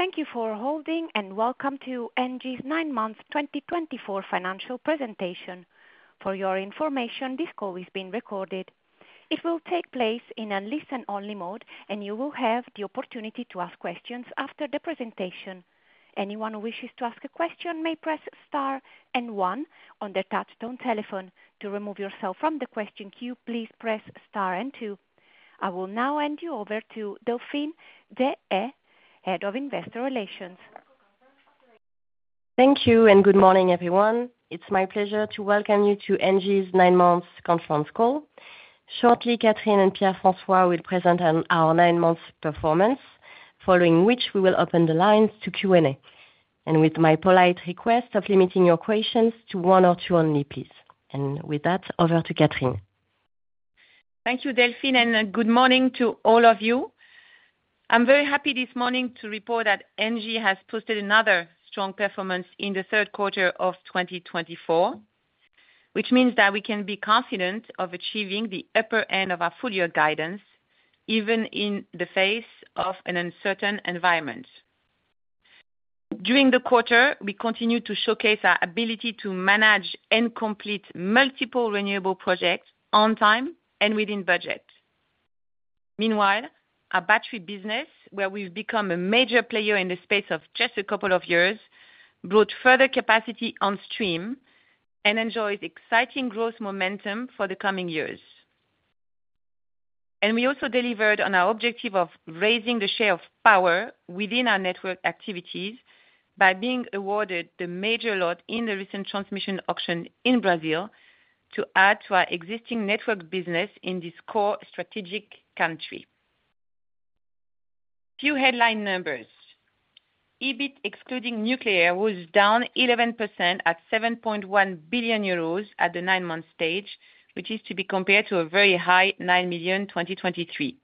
Thank you for holding, and welcome to ENGIE's 9 Months 2024 Financial Presentation. For your information, this call is being recorded. It will take place in a listen-only mode, and you will have the opportunity to ask questions after the presentation. Anyone who wishes to ask a question may press Star and one on their touch-tone telephone. To remove yourself from the question queue, please press Star and two. I will now hand you over to Delphine Deshayes, Head of Investor Relations. Thank you, and good morning, everyone. It's my pleasure to welcome you to ENGIE's 9 Months Conference Call. Shortly, Catherine and Pierre-François will present our 9 Months performance, following which we will open the lines to Q&A. And with my polite request of limiting your questions to one or two only, please. And with that, over to Catherine. Thank you, Delphine, and good morning to all of you. I'm very happy this morning to report that ENGIE has posted another strong performance in the third quarter of 2024, which means that we can be confident of achieving the upper end of our full-year guidance, even in the face of an uncertain environment. During the quarter, we continue to showcase our ability to manage and complete multiple renewable projects on time and within budget. Meanwhile, our battery business, where we've become a major player in the space of just a couple of years, brought further capacity on stream and enjoys exciting growth momentum for the coming years. And we also delivered on our objective of raising the share of power within our network activities by being awarded the major lot in the recent transmission auction in Brazil to add to our existing network business in this core strategic country. few headline numbers. EBIT, excluding nuclear, was down 11% at 7.1 billion euros at the 9 Months stage, which is to be compared to a very high 9 million in 2023.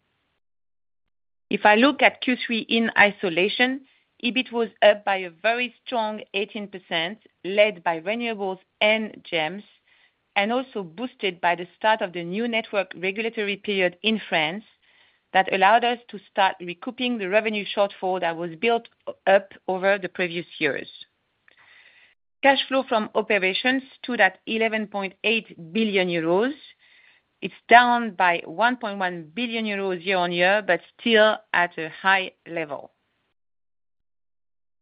If I look at Q3 in isolation, EBIT was up by a very strong 18%, led by renewables and GEMS, and also boosted by the start of the new network regulatory period in France that allowed us to start recouping the revenue shortfall that was built up over the previous years. Cash flow from operations stood at 11.8 billion euros. It's down by 1.1 billion euros year on year, but still at a high level.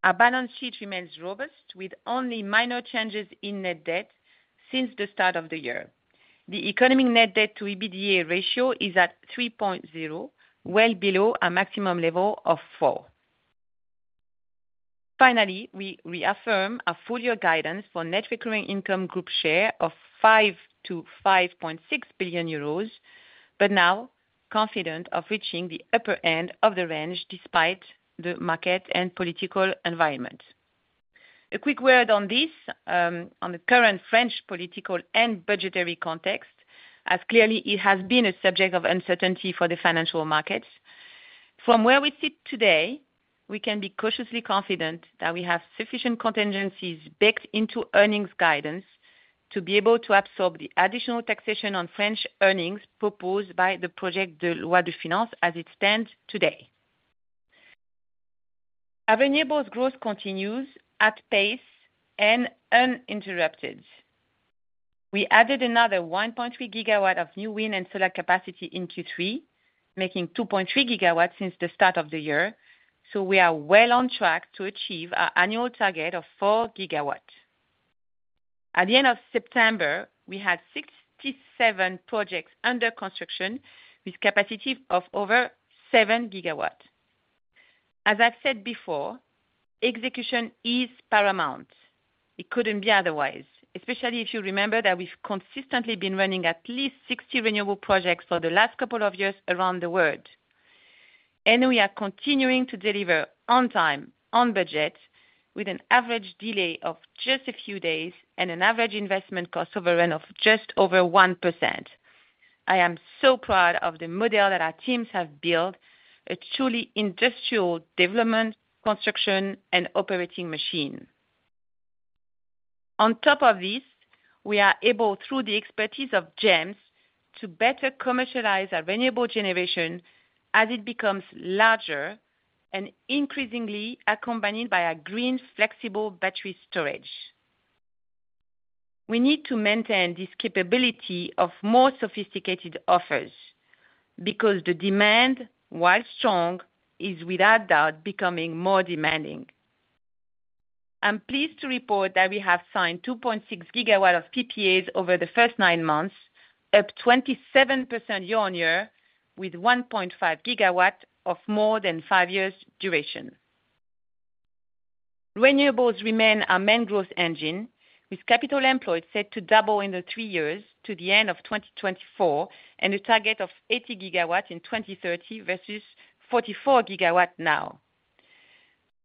Our balance sheet remains robust, with only minor changes in net debt since the start of the year. The economic net debt to EBITDA ratio is at 3.0, well below our maximum level of 4. Finally, we reaffirm our full-year guidance for net recurring income group share of 5 billion-5.6 billion euros, but now confident of reaching the upper end of the range despite the market and political environment. A quick word on this, on the current French political and budgetary context, as clearly it has been a subject of uncertainty for the financial markets. From where we sit today, we can be cautiously confident that we have sufficient contingencies baked into earnings guidance to be able to absorb the additional taxation on French earnings proposed by the Projet de Loi de Finances as it stands today. Our renewables growth continues at pace and uninterrupted. We added another 1.3 GW of new wind and solar capacity in Q3, making 2.3 GW since the start of the year. So we are well on track to achieve our annual target of 4 GW. At the end of September, we had 67 projects under construction with capacity of over 7 GW. As I've said before, execution is paramount. It couldn't be otherwise, especially if you remember that we've consistently been running at least 60 renewable projects for the last couple of years around the world. And we are continuing to deliver on time, on budget, with an average delay of just a few days and an average investment cost overrun of just over 1%. I am so proud of the model that our teams have built, a truly industrial development, construction, and operating machine. On top of this, we are able, through the expertise of GEMS, to better commercialize our renewable generation as it becomes larger and increasingly accompanied by our green, flexible battery storage. We need to maintain this capability of more sophisticated offers because the demand, while strong, is without doubt becoming more demanding. I'm pleased to report that we have signed 2.6 GW of PPAs over the first nine months, up 27% year on year with 1.5 GW of more than five years' duration. Renewables remain our main growth engine, with capital employed set to double in the three years to the end of 2024 and a target of 80 GW in 2030 versus 44 GW now.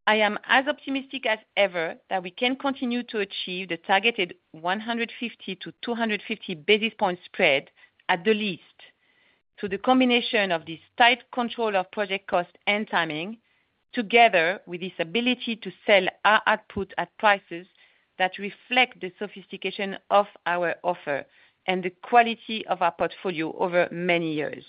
I am as optimistic as ever that we can continue to achieve the targeted 150 to 250 basis points spread at the least, so the combination of this tight control of project cost and timing, together with this ability to sell our output at prices that reflect the sophistication of our offer and the quality of our portfolio over many years.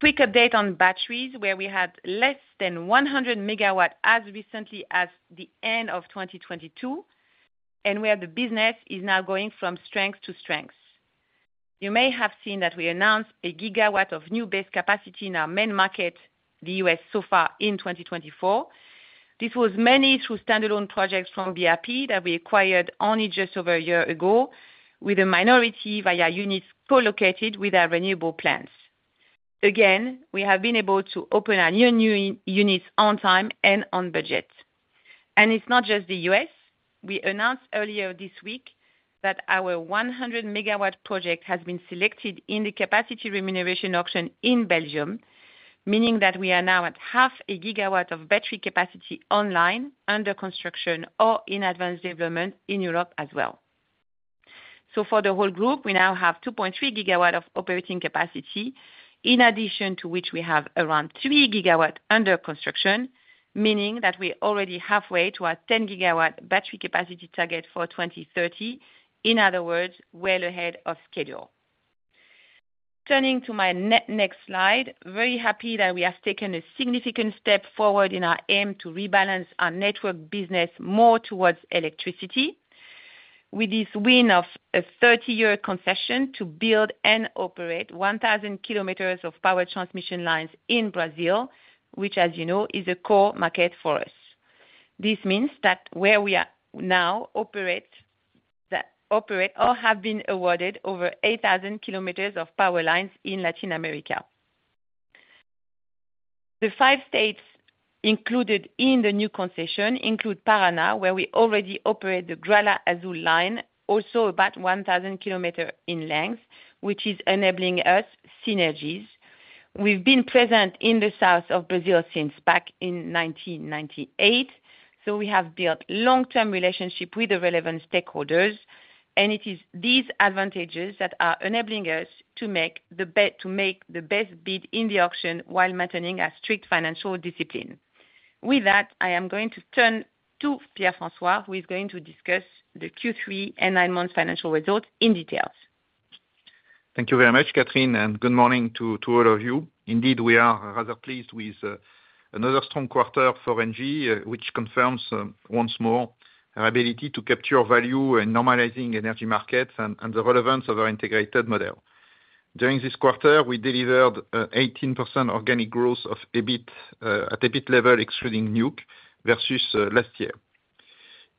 Quick update on batteries, where we had less than 100 MW as recently as the end of 2022, and where the business is now going from strength to strength. You may have seen that we announced a gigawatt of new base capacity in our main market, the U.S., so far in 2024. This was mainly through standalone projects from BRP that we acquired only just over a year ago, with a minority via units co-located with our renewable plants. Again, we have been able to open our new units on time and on budget. It's not just the U.S. We announced earlier this week that our 100 MW project has been selected in the capacity remuneration auction in Belgium, meaning that we are now at 0.5 GW of battery capacity online, under construction or in advanced development in Europe as well. So for the whole group, we now have 2.3 GW of operating capacity, in addition to which we have around 3 GW under construction, meaning that we're already halfway to our 10-GW battery capacity target for 2030. In other words, well ahead of schedule. Turning to my next slide, very happy that we have taken a significant step forward in our aim to rebalance our network business more towards electricity. With this win of a 30-year concession to build and operate 1,000 kilometers of power transmission lines in Brazil, which, as you know, is a core market for us. This means that where we now operate or have been awarded over 8,000 km of power lines in Latin America. The five states included in the new concession include Paraná, where we already operate the Gralha-Azul line, also about 1,000 km in length, which is enabling us synergies. We've been present in the south of Brazil since back in 1998, so we have built long-term relationships with the relevant stakeholders, and it is these advantages that are enabling us to make the best bid in the auction while maintaining a strict financial discipline. With that, I am going to turn to Pierre-François, who is going to discuss the Q3 and 9 Months financial results in detail. Thank you very much, Catherine, and good morning to all of you. Indeed, we are rather pleased with another strong quarter for ENGIE, which confirms once more our ability to capture value in normalizing energy markets and the relevance of our integrated model. During this quarter, we delivered 18% organic growth at EBIT level, excluding Nuke, versus last year.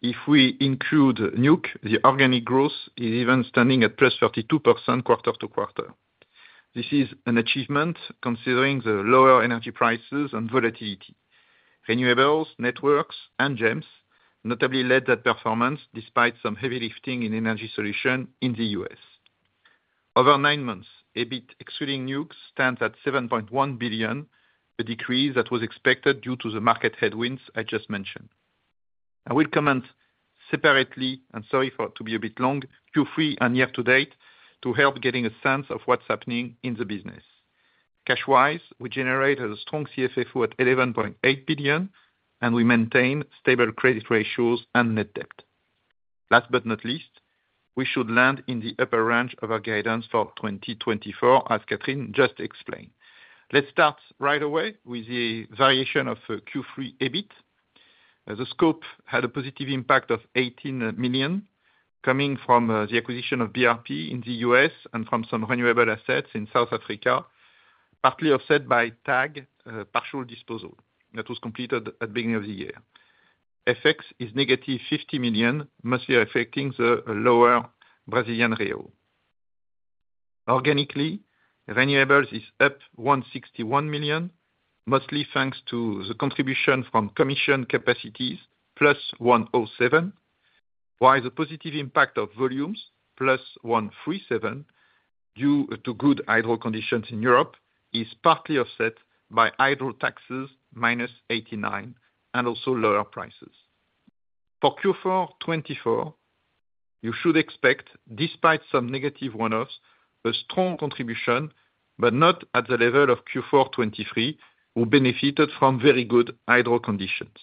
If we include Nuke, the organic growth is even standing at plus 32% quarter-to-quarter. This is an achievement considering the lower energy prices and volatility. Renewables, networks, and GEMS, notably led that performance despite some heavy lifting in energy solution in the U.S. Over nine months, EBIT, excluding Nuke, stands at 7.1 billion, a decrease that was expected due to the market headwinds I just mentioned. I will comment separately, and sorry for it to be a bit long, Q3 and year to date, to help getting a sense of what's happening in the business. Cash-wise, we generated a strong CFFO at 11.8 billion, and we maintain stable credit ratios and net debt. Last but not least, we should land in the upper range of our guidance for 2024, as Catherine just explained. Let's start right away with the variation of Q3 EBIT. The scope had a positive impact of 18 million, coming from the acquisition of BRP in the US and from some renewable assets in South Africa, partly offset by TAG partial disposal that was completed at the beginning of the year. FX is negative 50 million, mostly affecting the lower Brazilian real. Organically, renewables is up 161 million, mostly thanks to the contribution from commissioned capacities, plus 107 million, while the positive impact of volumes, plus 137 million, due to good hydro conditions in Europe, is partly offset by hydro taxes, minus 89 million, and also lower prices. For Q4 2024, you should expect, despite some negative one-offs, a strong contribution, but not at the level of Q4 2023, who benefited from very good hydro conditions.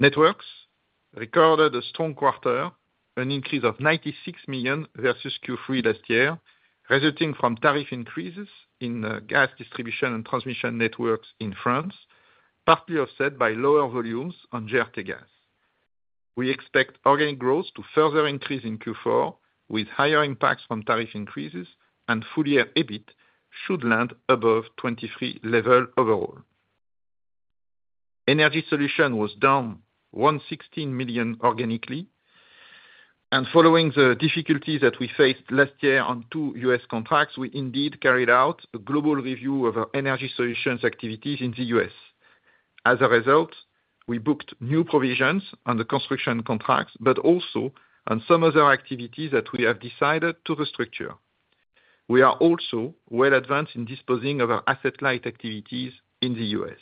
Networks recorded a strong quarter, an increase of 96 million versus Q3 last year, resulting from tariff increases in gas distribution and transmission networks in France, partly offset by lower volumes on GRTgaz. We expect organic growth to further increase in Q4, with higher impacts from tariff increases, and full-year EBIT should land above 23 level overall. Energy Solutions was down 116 million organically. Following the difficulties that we faced last year on two U.S. contracts, we indeed carried out a global review of our Energy Solutions activities in the U.S. As a result, we booked new provisions on the construction contracts, but also on some other activities that we have decided to restructure. We are also well advanced in disposing of our asset-light activities in the U.S.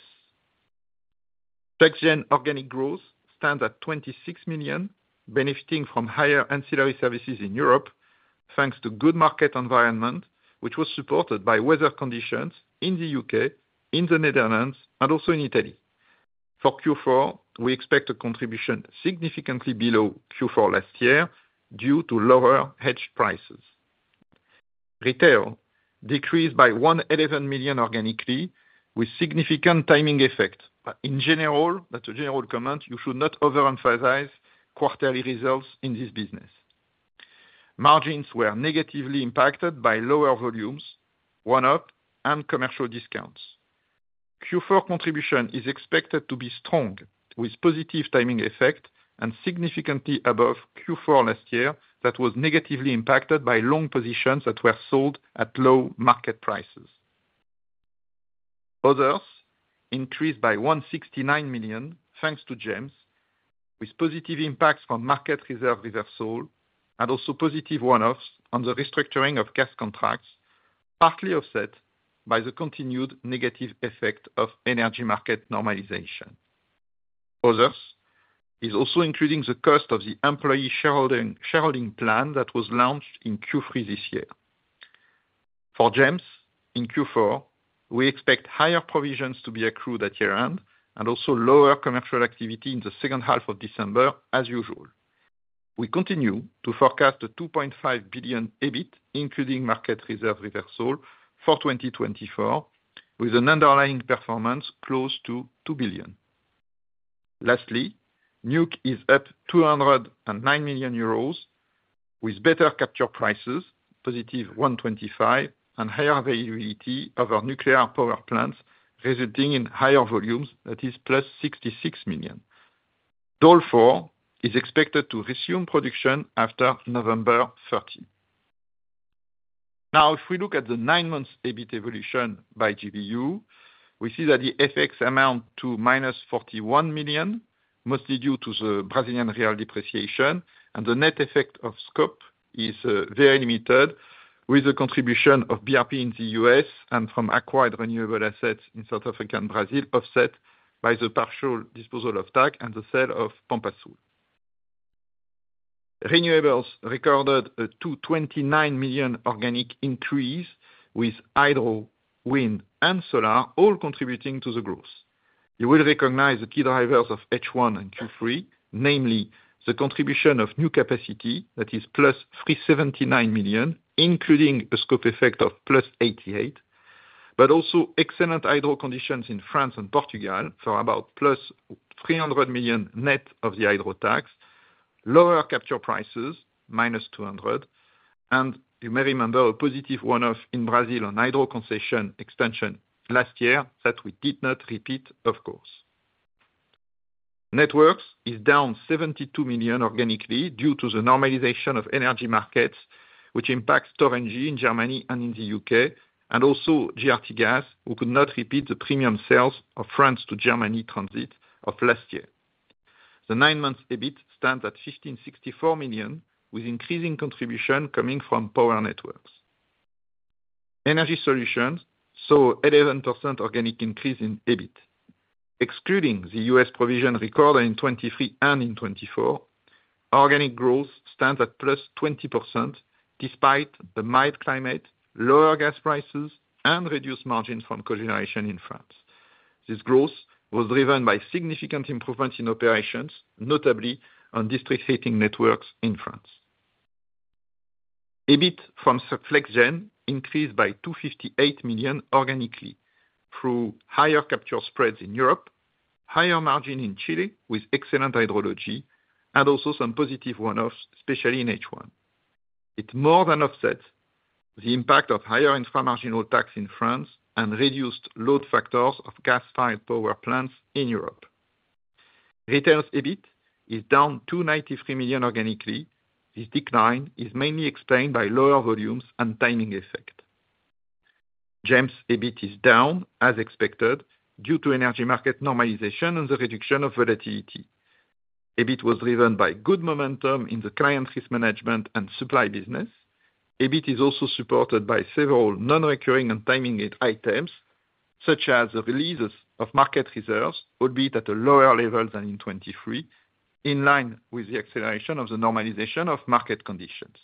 FlexGen organic growth stands at 26 million, benefiting from higher ancillary services in Europe, thanks to good market environment, which was supported by weather conditions in the U.K., in the Netherlands, and also in Italy. For Q4, we expect a contribution significantly below Q4 last year due to lower hedge prices. Retail decreased by 111 million organically, with significant timing effect. In general, that's a general comment, you should not overemphasize quarterly results in this business. Margins were negatively impacted by lower volumes, one-off, and commercial discounts. Q4 contribution is expected to be strong, with positive timing effect and significantly above Q4 last year that was negatively impacted by long positions that were sold at low market prices. Others increased by 169 million, thanks to GEMS, with positive impacts from market reserve reversal and also positive one-offs on the restructuring of gas contracts, partly offset by the continued negative effect of energy market normalization. Others is also including the cost of the employee shareholding plan that was launched in Q3 this year. For GEMS in Q4, we expect higher provisions to be accrued at year-end and also lower commercial activity in the second half of December, as usual. We continue to forecast a 2.5 billion EBIT, including market reserve reversal for 2024, with an underlying performance close to 2 billion. Lastly, Nuke is up 209 million euros, with better capture prices, positive 125, and higher availability of our nuclear power plants, resulting in higher volumes, that is plus 66 million. Doel 4 is expected to resume production after November 30. Now, if we look at the 9 months EBIT evolution by GBU, we see that the FX amount to minus 41 million, mostly due to the Brazilian real depreciation, and the net effect of scope is very limited, with the contribution of BRP in the US and from acquired renewable assets in South Africa and Brazil offset by the partial disposal of TAG and the sale of Pampa Sul. Renewables recorded a 229 million organic increase with hydro, wind, and solar, all contributing to the growth. You will recognize the key drivers of H1 and Q3, namely the contribution of new capacity, that is plus 379 million, including a scope effect of plus 88 million, but also excellent hydro conditions in France and Portugal for about plus 300 million net of the hydro tax, lower capture prices, minus 200 million, and you may remember a positive one-off in Brazil on hydro concession extension last year that we did not repeat, of course. Networks is down 72 million organically due to the normalization of energy markets, which impacts Storengy in Germany and in the U.K., and also GRTgaz, who could not repeat the premium sales of France to Germany transit of last year. The nine months EBIT stands at 1,564 million, with increasing contribution coming from power networks. Energy Solutions saw an 11% organic increase in EBIT. Excluding the U.S. provision recorded in 2023 and in 2024, organic growth stands at plus 20% despite the mild climate, lower gas prices, and reduced margins from cogeneration in France. This growth was driven by significant improvements in operations, notably on district heating networks in France. EBIT from FlexGen increased by 258 million organically through higher capture spreads in Europe, higher margin in Chile with excellent hydrology, and also some positive one-offs, especially in H1. It more than offsets the impact of higher infra-marginal tax in France and reduced load factors of gas-fired power plants in Europe. Retail's EBIT is down 293 million organically. This decline is mainly explained by lower volumes and timing effect. GEMS' EBIT is down, as expected, due to energy market normalization and the reduction of volatility. EBIT was driven by good momentum in the client risk management and supply business. EBIT is also supported by several non-recurring and timing items, such as the release of market reserves, albeit at a lower level than in 2023, in line with the acceleration of the normalization of market conditions,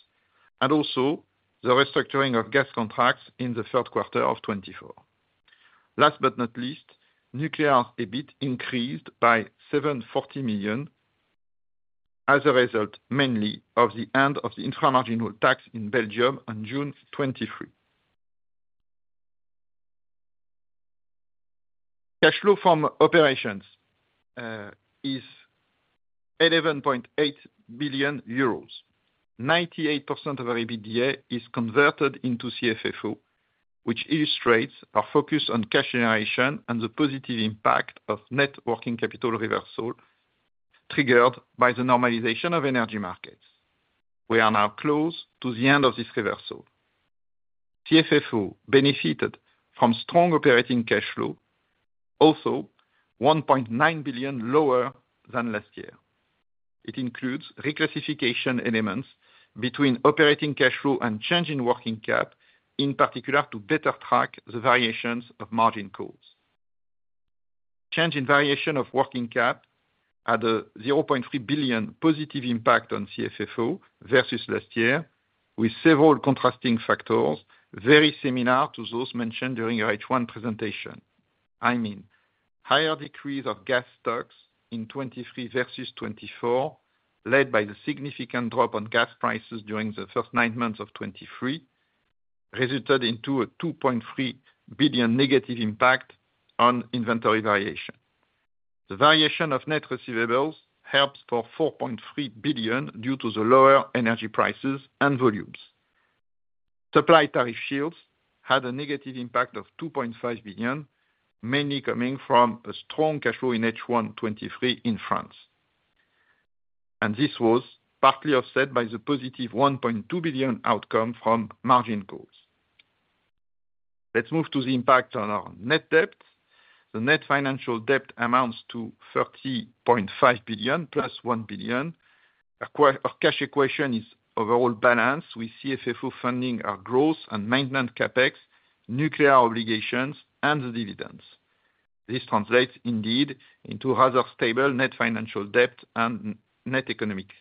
and also the restructuring of gas contracts in the third quarter of 2024. Last but not least, nuclear EBIT increased by 740 million as a result mainly of the end of the infra-marginal tax in Belgium on June 2023. Cash flow from operations is 11.8 billion euros. 98% of our EBITDA is converted into CFFO, which illustrates our focus on cash generation and the positive impact of net working capital reversal triggered by the normalization of energy markets. We are now close to the end of this reversal. CFFO benefited from strong operating cash flow, also 1.9 billion lower than last year. It includes reclassification elements between operating cash flow and change in working cap, in particular to better track the variations of margin calls. Change in variation of working cap had a 0.3 billion positive impact on CFFO versus last year, with several contrasting factors very similar to those mentioned during our H1 presentation. I mean, higher decrease of gas stocks in 2023 versus 2024, led by the significant drop on gas prices during the first 9 months of 2023, resulted in a 2.3 billion negative impact on inventory variation. The variation of net receivables helps for 4.3 billion due to the lower energy prices and volumes. Supply tariff shields had a negative impact of 2.5 billion, mainly coming from a strong cash flow in H1 2023 in France. And this was partly offset by the positive 1.2 billion outcome from margin calls. Let's move to the impact on our net debt. The net financial debt amounts to 30.5 billion plus 1 billion. Our cash equation is overall balanced with CFFO funding our growth and maintenance CapEx, nuclear obligations, and the dividends. This translates indeed into rather stable net financial debt and net economic debt.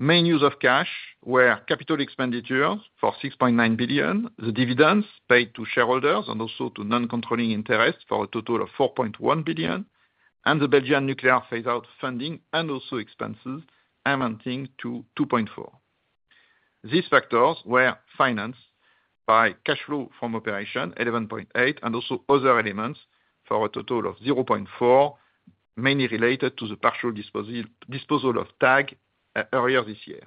Main use of cash where capital expenditures for 6.9 billion, the dividends paid to shareholders and also to non-controlling interest for a total of 4.1 billion, and the Belgian nuclear phase-out funding and also expenses amounting to 2.4 billion. These factors were financed by cash flow from operations, 11.8 billion, and also other elements for a total of 0.4 billion, mainly related to the partial disposal of TAG earlier this year.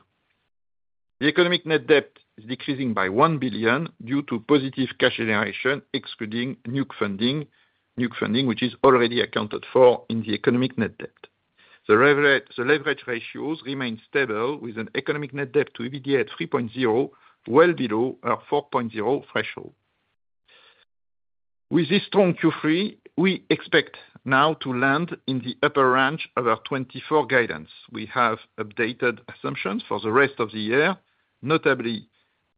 The economic net debt is decreasing by 1 billion due to positive cash generation, excluding Nuke funding, which is already accounted for in the economic net debt. The leverage ratios remain stable, with an economic net debt to EBITDA at 3.0, well below our 4.0 threshold. With this strong Q3, we expect now to land in the upper range of our 2024 guidance. We have updated assumptions for the rest of the year. Notably,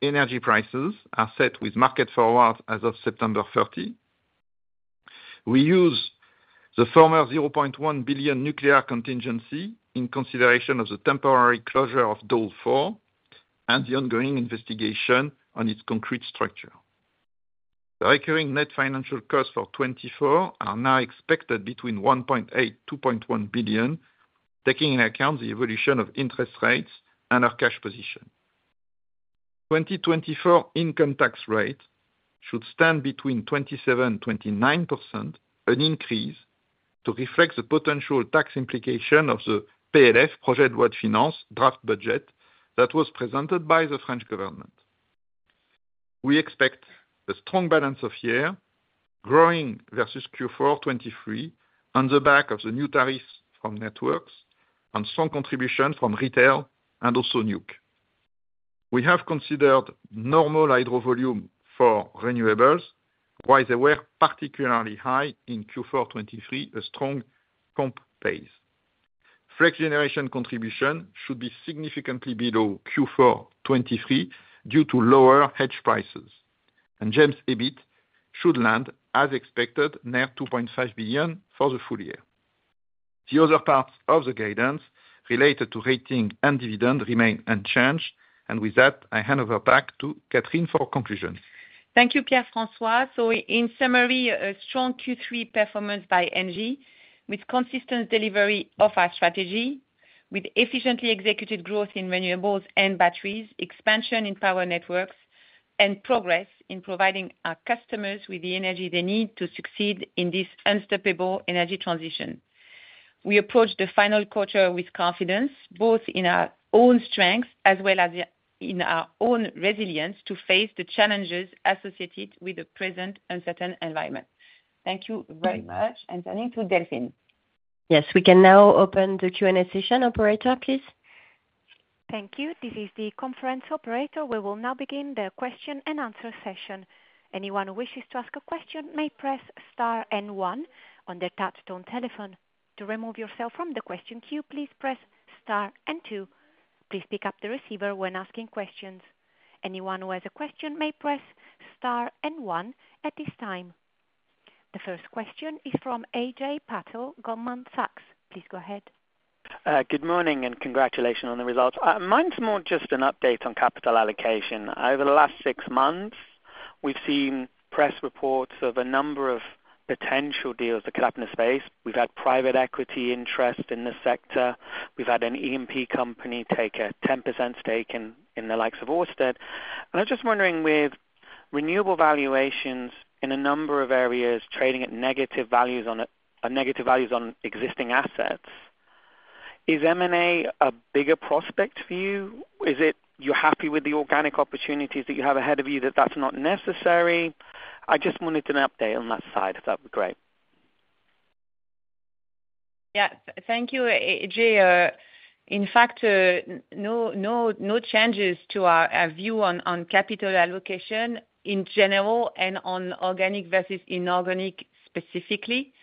energy prices are set with market forwards as of September 30. We use the former 0.1 billion nuclear contingency in consideration of the temporary closure of Doel 4 and the ongoing investigation on its concrete structure. The recurring net financial costs for 2024 are now expected between 1.8 billion and 2.1 billion, taking into account the evolution of interest rates and our cash position. 2024 income tax rate should stand between 27% and 29%, an increase to reflect the potential tax implication of the PLF, Projet de Loi de Finances draft budget that was presented by the French government. We expect a strong H2, growing versus Q4 2023, on the back of the new tariffs from networks and strong contribution from retail and also Nuke. We have considered normal hydro volume for renewables, while they were particularly high in Q4 2023, a strong pumped storage. FlexGen contribution should be significantly below Q4 2023 due to lower hedge prices. And GEMS' EBIT should land, as expected, near 2.5 billion for the full year. The other parts of the guidance related to rating and dividend remain unchanged. And with that, I hand over back to Catherine for conclusion. Thank you, Pierre-François. So in summary, a strong Q3 performance by ENGIE, with consistent delivery of our strategy, with efficiently executed growth in renewables and batteries, expansion in power networks, and progress in providing our customers with the energy they need to succeed in this unstoppable energy transition. We approach the final quarter with confidence, both in our own strengths as well as in our own resilience to face the challenges associated with the present uncertain environment. Thank you very much and turning to Delphine. Yes, we can now open the Q&A session. Operator, please. Thank you. This is the conference operator. We will now begin the question and answer session. Anyone who wishes to ask a question may press Star and One on their touch-tone telephone. To remove yourself from the question queue, please press Star and Two. Please pick up the receiver when asking questions. Anyone who has a question may press Star and One at this time. The first question is from Ajay Patel, Goldman Sachs. Please go ahead. Good morning and congratulations on the results. Mine's more just an update on capital allocation. Over the last six months, we've seen press reports of a number of potential deals that could happen in the space. We've had private equity interest in the sector. We've had an EMP company take a 10% stake in the likes of Ørsted. And I'm just wondering, with renewable valuations in a number of areas trading at negative values on existing assets, is M&A a bigger prospect for you? Is it you're happy with the organic opportunities that you have ahead of you that that's not necessary? I just wanted an update on that side, if that would be great. Yeah, thank you, Ajay. In fact, no changes to our view on capital allocation in general and on organic versus inorganic specifically.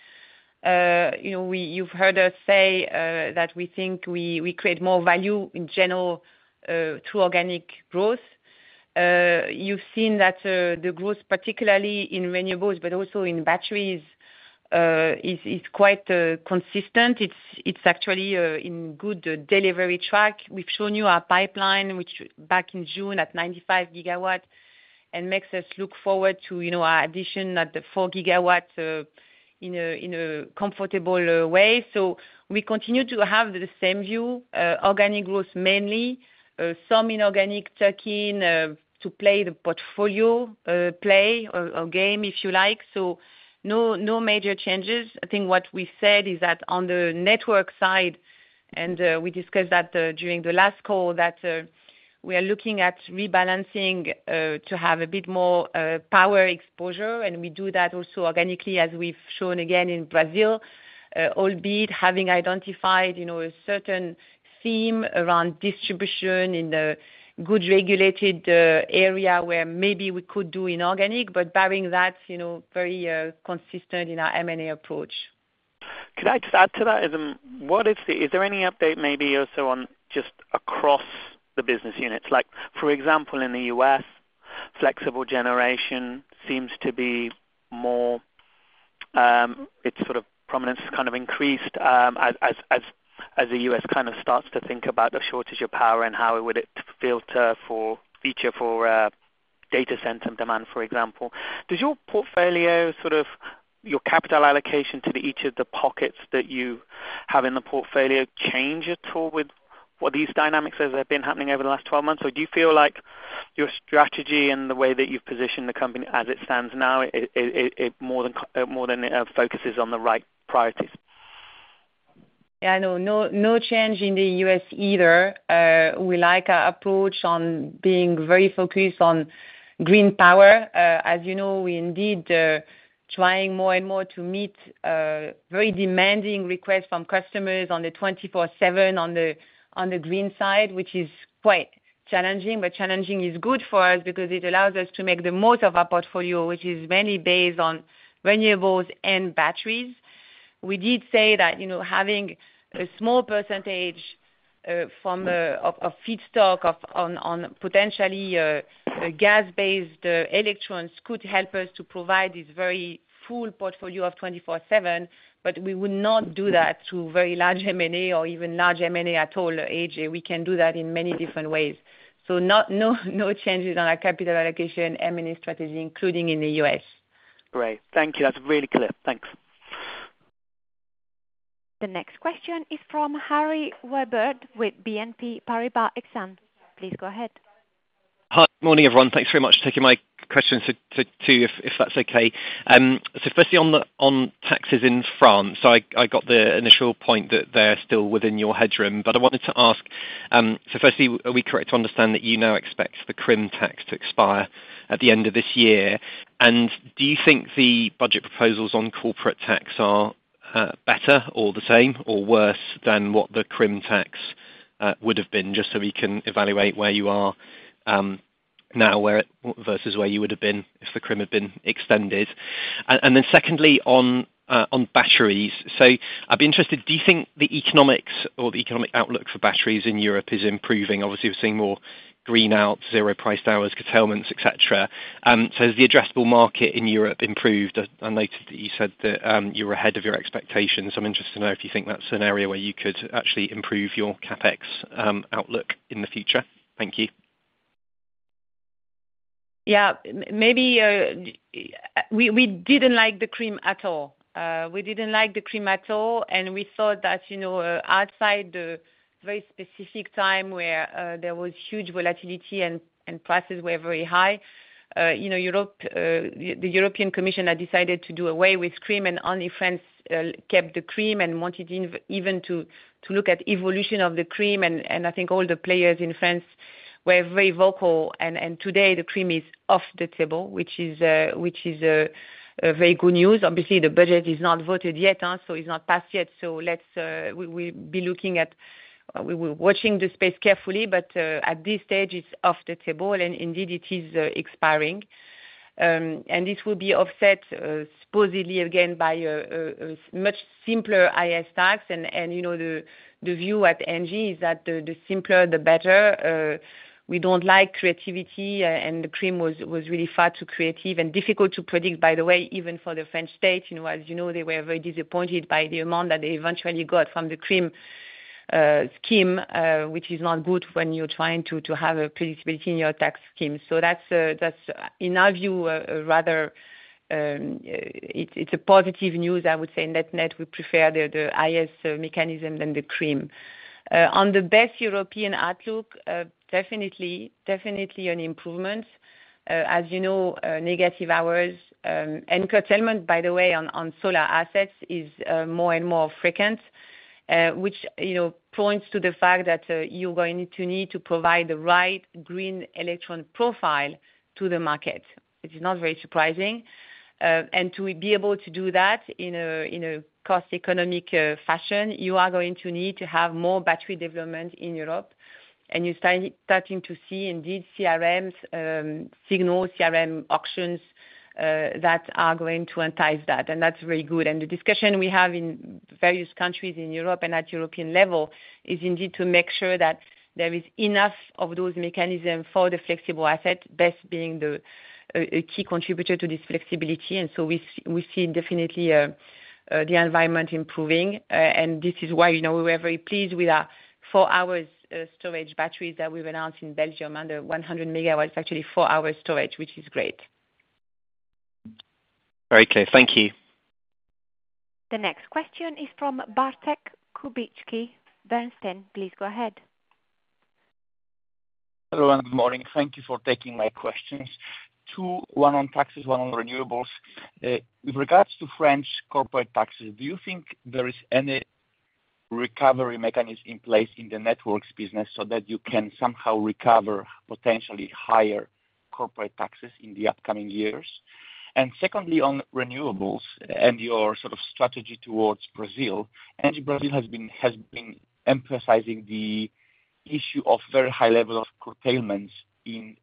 You've heard us say that we think we create more value in general through organic growth. You've seen that the growth, particularly in renewables, but also in batteries, is quite consistent. It's actually in good delivery track. We've shown you our pipeline, which back in June at 95 GW, and makes us look forward to our addition at the 4 GW in a comfortable way. So we continue to have the same view, organic growth mainly, some inorganic tucking to play the portfolio play or game, if you like. So no major changes. I think what we said is that on the network side, and we discussed that during the last call, that we are looking at rebalancing to have a bit more power exposure. And we do that also organically, as we've shown again in Brazil, albeit having identified a certain theme around distribution in the good regulated area where maybe we could do inorganic, but bearing that very consistent in our M&A approach. Can I just add to that? Is there any update maybe also on just across the business units? For example, in the U.S., flexible generation seems to be more, it's sort of prominence has kind of increased as the U.S. kind of starts to think about the shortage of power and how it would filter through to future for data center demand, for example. Does your portfolio, sort of your capital allocation to each of the pockets that you have in the portfolio change at all with what these dynamics have been happening over the last 12 months? Or do you feel like your strategy and the way that you've positioned the company as it stands now, it more than focuses on the right priorities? Yeah, no, no change in the U.S. either. We like our approach on being very focused on green power. As you know, we indeed are trying more and more to meet very demanding requests from customers on the 24/7 on the green side, which is quite challenging. But challenging is good for us because it allows us to make the most of our portfolio, which is mainly based on renewables and batteries. We did say that having a small percentage of feedstock on potentially gas-based electrons could help us to provide this very full portfolio of 24/7, but we would not do that through very large M&A or even large M&A at all, Ajay. We can do that in many different ways. So no changes on our capital allocation M&A strategy, including in the U.S. Great. Thank you. That's really clear. Thanks. The next question is from Harry Wyburd with BNP Paribas Exane. Please go ahead. Hi, good morning, everyone. Thanks very much for taking my question too, if that's okay. So firstly, on taxes in France, I got the initial point that they're still within your headroom. But I wanted to ask, so firstly, are we correct to understand that you now expect the CRIM tax to expire at the end of this year? And do you think the budget proposals on corporate tax are better or the same or worse than what the CRIM tax would have been, just so we can evaluate where you are now versus where you would have been if the CRIM had been extended? And then secondly, on batteries, so I'd be interested, do you think the economics or the economic outlook for batteries in Europe is improving? Obviously, we're seeing more green out, zero priced hours, curtailments, etc. So has the addressable market in Europe improved? I noted that you said that you were ahead of your expectations. I'm interested to know if you think that's an area where you could actually improve your CapEx outlook in the future. Thank you. Yeah, maybe we didn't like the CRIM at all. We didn't like the CRIM at all. And we thought that outside the very specific time where there was huge volatility and prices were very high, the European Commission had decided to do away with CRIM, and only France kept the CRIM and wanted even to look at the evolution of the CRIM. And I think all the players in France were very vocal. And today, the CRIM is off the table, which is very good news. Obviously, the budget is not voted yet, so it's not passed yet. So we'll be looking at watching the space carefully, but at this stage, it's off the table. And indeed, it is expiring. And this will be offset, supposedly, again, by a much simpler IS tax. And the view at ENGIE is that the simpler, the better. We don't like creativity, and the CRIM was really far too creative and difficult to predict, by the way, even for the French state. As you know, they were very disappointed by the amount that they eventually got from the CRIM scheme, which is not good when you're trying to have a predictability in your tax scheme. So that's, in our view, rather, it's positive news, I would say. Net net, we prefer the IS mechanism than the CRIM. On the best European outlook, definitely, definitely an improvement. As you know, negative hours and curtailment, by the way, on solar assets is more and more frequent, which points to the fact that you're going to need to provide the right green electron profile to the market. It is not very surprising. And to be able to do that in a cost-economic fashion, you are going to need to have more battery development in Europe. And you're starting to see, indeed, CRM signals, CRM auctions that are going to entice that. And that's very good. And the discussion we have in various countries in Europe and at European level is indeed to make sure that there is enough of those mechanisms for the flexible asset, best being the key contributor to this flexibility. And so we see definitely the environment improving. And this is why we were very pleased with our four-hour storage batteries that we've announced in Belgium under 100 MW, actually four-hour storage, which is great. Okay, thank you. The next question is from Bartek Kubicki. Bernstein, please go ahead. Hello, and good morning. Thank you for taking my questions. Two, one on taxes, one on renewables. With regards to French corporate taxes, do you think there is any recovery mechanism in place in the networks business so that you can somehow recover potentially higher corporate taxes in the upcoming years? And secondly, on renewables and your sort of strategy towards Brazil, ENGIE Brazil has been emphasizing the issue of very high level of curtailments in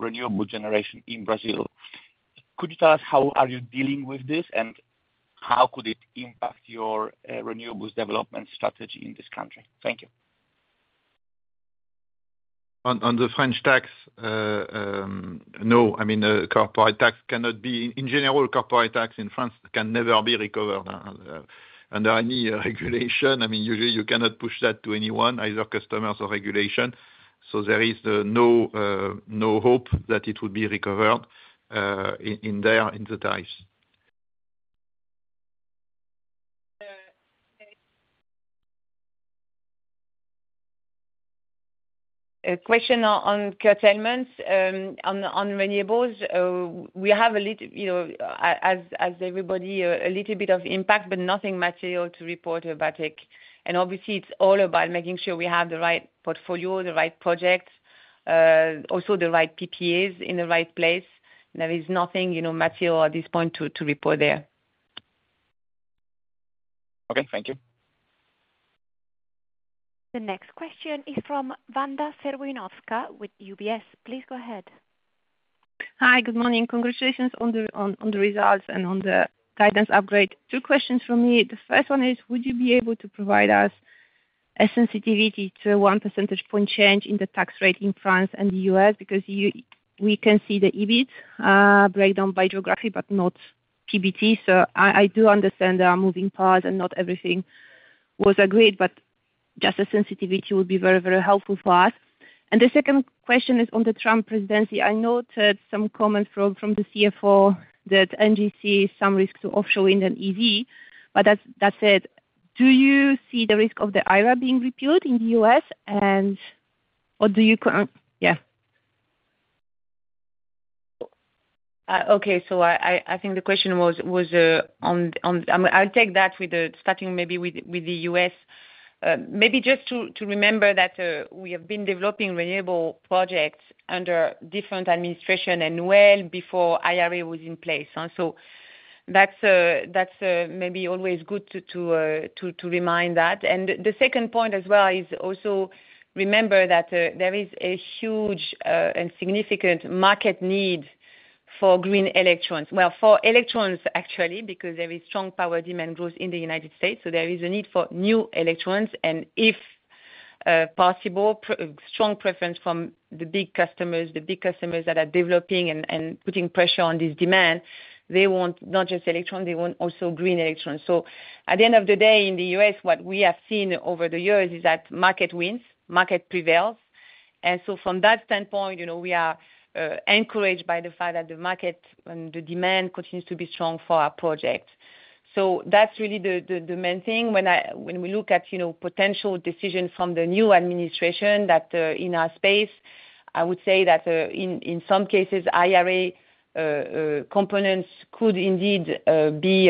renewable generation in Brazil. Could you tell us how are you dealing with this and how could it impact your renewables development strategy in this country? Thank you. On the French tax, no. I mean, corporate tax cannot be in general. Corporate tax in France can never be recovered under any regulation. I mean, usually, you cannot push that to anyone, either customers or regulation. So there is no hope that it would be recovered in there in the tariffs. A question on curtailments on renewables. We have a little, as everybody, a little bit of impact, but nothing material to report about it. And obviously, it's all about making sure we have the right portfolio, the right projects, also the right PPAs in the right place. There is nothing material at this point to report there. Okay, thank you. The next question is from Wanda Serwinowska with UBS. Please go ahead. Hi, good morning. Congratulations on the results and on the guidance upgrade. Two questions for me. The first one is, would you be able to provide us a sensitivity to a one percentage point change in the tax rate in France and the U.S.? Because we can see the EBIT breakdown by geography, but not PBT. So I do understand there are moving parts and not everything was agreed, but just a sensitivity would be very, very helpful for us. And the second question is on the Trump presidency. I noted some comments from the CFO that Nuke is some risk to offshoring than EV. But that said, do you see the risk of the IRA being repealed in the U.S.? And what do you yeah. Okay, so I think the question was on. I'll take that with the starting maybe with the U.S. Maybe just to remember that we have been developing renewable projects under different administrations and well before IRA was in place. So that's maybe always good to remind that. And the second point as well is also remember that there is a huge and significant market need for green electrons. Well, for electrons, actually, because there is strong power demand growth in the United States. So there is a need for new electrons. And if possible, strong preference from the big customers, the big customers that are developing and putting pressure on this demand, they want not just electrons, they want also green electrons. So at the end of the day, in the US, what we have seen over the years is that market wins, market prevails. And so from that standpoint, we are encouraged by the fact that the market and the demand continues to be strong for our project. So that's really the main thing. When we look at potential decisions from the new administration that in our space, I would say that in some cases, IRA components could indeed be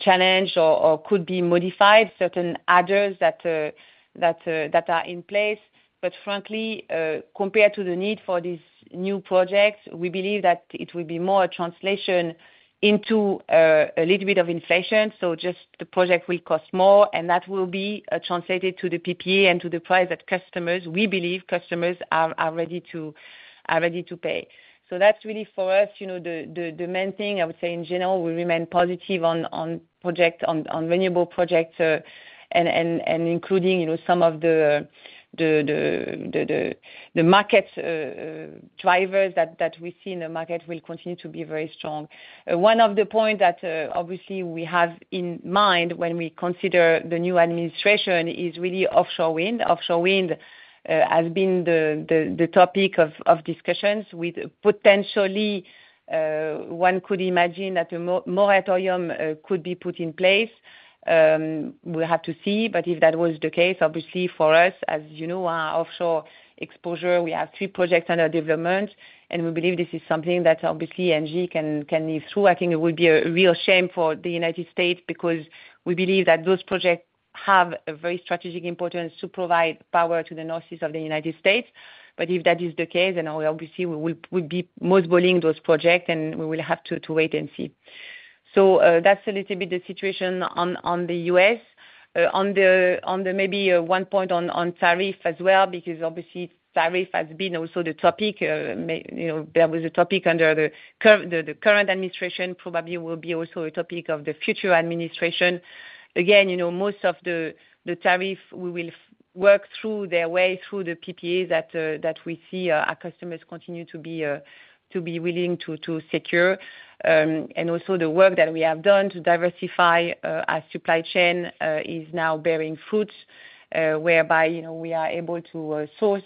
challenged or could be modified, certain adders that are in place. But frankly, compared to the need for these new projects, we believe that it will be more a translation into a little bit of inflation. So just the project will cost more, and that will be translated to the PPA and to the price that customers, we believe customers are ready to pay. So that's really for us, the main thing, I would say in general, we remain positive on projects, on renewable projects, and including some of the market drivers that we see in the market will continue to be very strong. One of the points that obviously we have in mind when we consider the new administration is really offshore wind. Offshore wind has been the topic of discussions with potentially one could imagine that a moratorium could be put in place. We'll have to see. But if that was the case, obviously for us, as you know, our offshore exposure, we have three projects under development. And we believe this is something that obviously ENGIE can live through. I think it would be a real shame for the United States because we believe that those projects have a very strategic importance to provide power to the northeast of the United States. But if that is the case, then obviously we will be mothballing those projects, and we will have to wait and see. So that's a little bit the situation on the U.S. On that, maybe one point on tariffs as well, because obviously tariffs have been also the topic. There was a topic under the current administration, probably will be also a topic of the future administration. Again, most of the tariffs we will work our way through the PPAs that we see our customers continue to be willing to secure. And also the work that we have done to diversify our supply chain is now bearing fruit, whereby we are able to source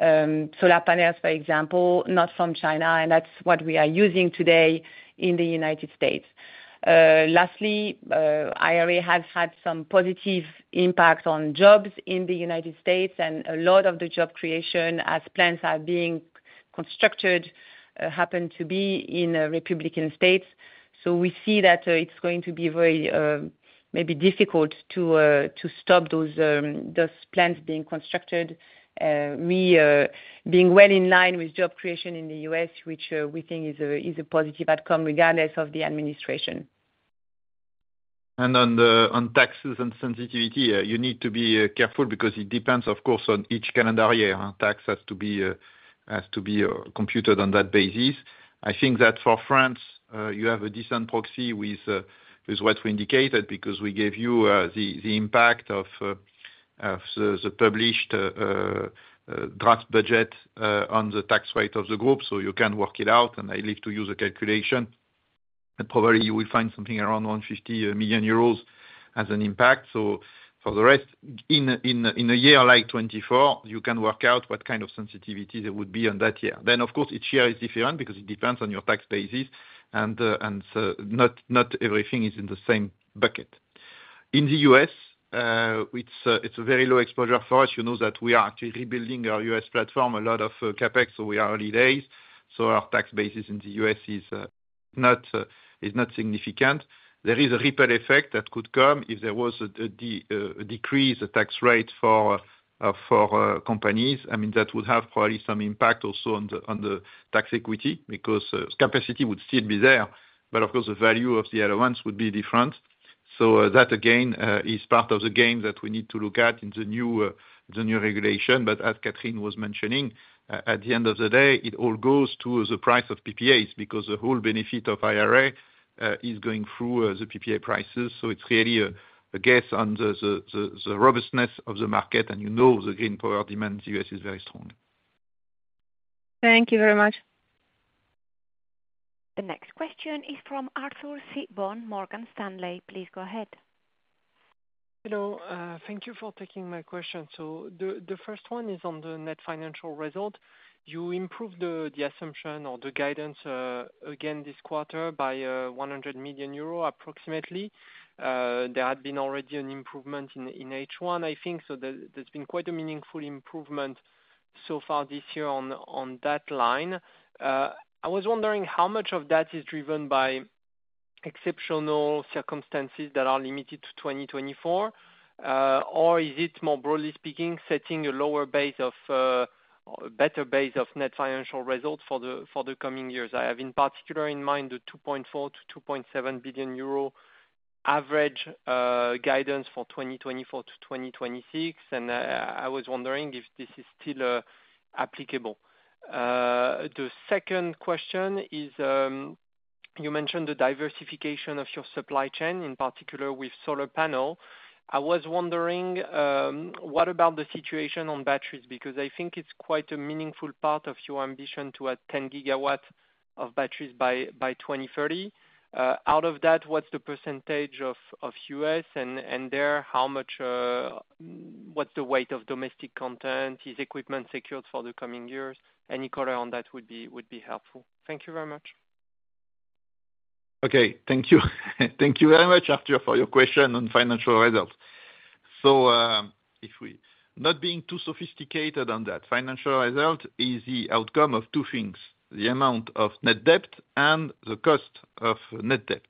solar panels, for example, not from China. And that's what we are using today in the United States. Lastly, IRA has had some positive impact on jobs in the United States, and a lot of the job creation, as plants are being constructed, happen to be in Republican states. We see that it's going to be very maybe difficult to stop those plants being constructed, being well in line with job creation in the U.S., which we think is a positive outcome regardless of the administration. And on taxes and sensitivity, you need to be careful because it depends, of course, on each calendar year. Tax has to be computed on that basis. I think that for France, you have a decent proxy with what we indicated because we gave you the impact of the published draft budget on the tax rate of the group. So you can work it out, and I leave to you the calculation. And probably you will find something around 150 million euros as an impact. So for the rest, in a year like 2024, you can work out what kind of sensitivity there would be on that year. Then, of course, each year is different because it depends on your tax basis, and not everything is in the same bucket. In the U.S., it's a very low exposure for us. You know that we are actually rebuilding our U.S. platform, a lot of CapEx. So we are early days. So our tax basis in the U.S. is not significant. There is a ripple effect that could come if there was a decrease in the tax rate for companies. I mean, that would have probably some impact also on the tax equity because capacity would still be there. But of course, the value of the other ones would be different. So that, again, is part of the game that we need to look at in the new regulation. But as Catherine was mentioning, at the end of the day, it all goes to the price of PPAs because the whole benefit of IRA is going through the PPA prices. So it's really a guess on the robustness of the market. And you know the green power demand in the U.S. is very strong. Thank you very much. The next question is from Arthur Sitbon Morgan Stanley. Please go ahead. Hello. Thank you for taking my question. So the first one is on the net financial result. You improved the assumption or the guidance again this quarter by 100 million euro approximately. There had been already an improvement in H1, I think. So there's been quite a meaningful improvement so far this year on that line. I was wondering how much of that is driven by exceptional circumstances that are limited to 2024, or is it more broadly speaking, setting a lower base of a better base of net financial results for the coming years? I have in particular in mind the 2.4 billion-2.7 billion euro average guidance for 2024 to 2026. And I was wondering if this is still applicable. The second question is you mentioned the diversification of your supply chain, in particular with solar panel. I was wondering, what about the situation on batteries? Because I think it's quite a meaningful part of your ambition to add 10 GW of batteries by 2030. Out of that, what's the percentage of US? And there, what's the weight of domestic content? Is equipment secured for the coming years? Any color on that would be helpful. Thank you very much. Okay, thank you. Thank you very much, Arthur, for your question on financial results. So if we not being too sophisticated on that, financial result is the outcome of two things: the amount of net debt and the cost of net debt.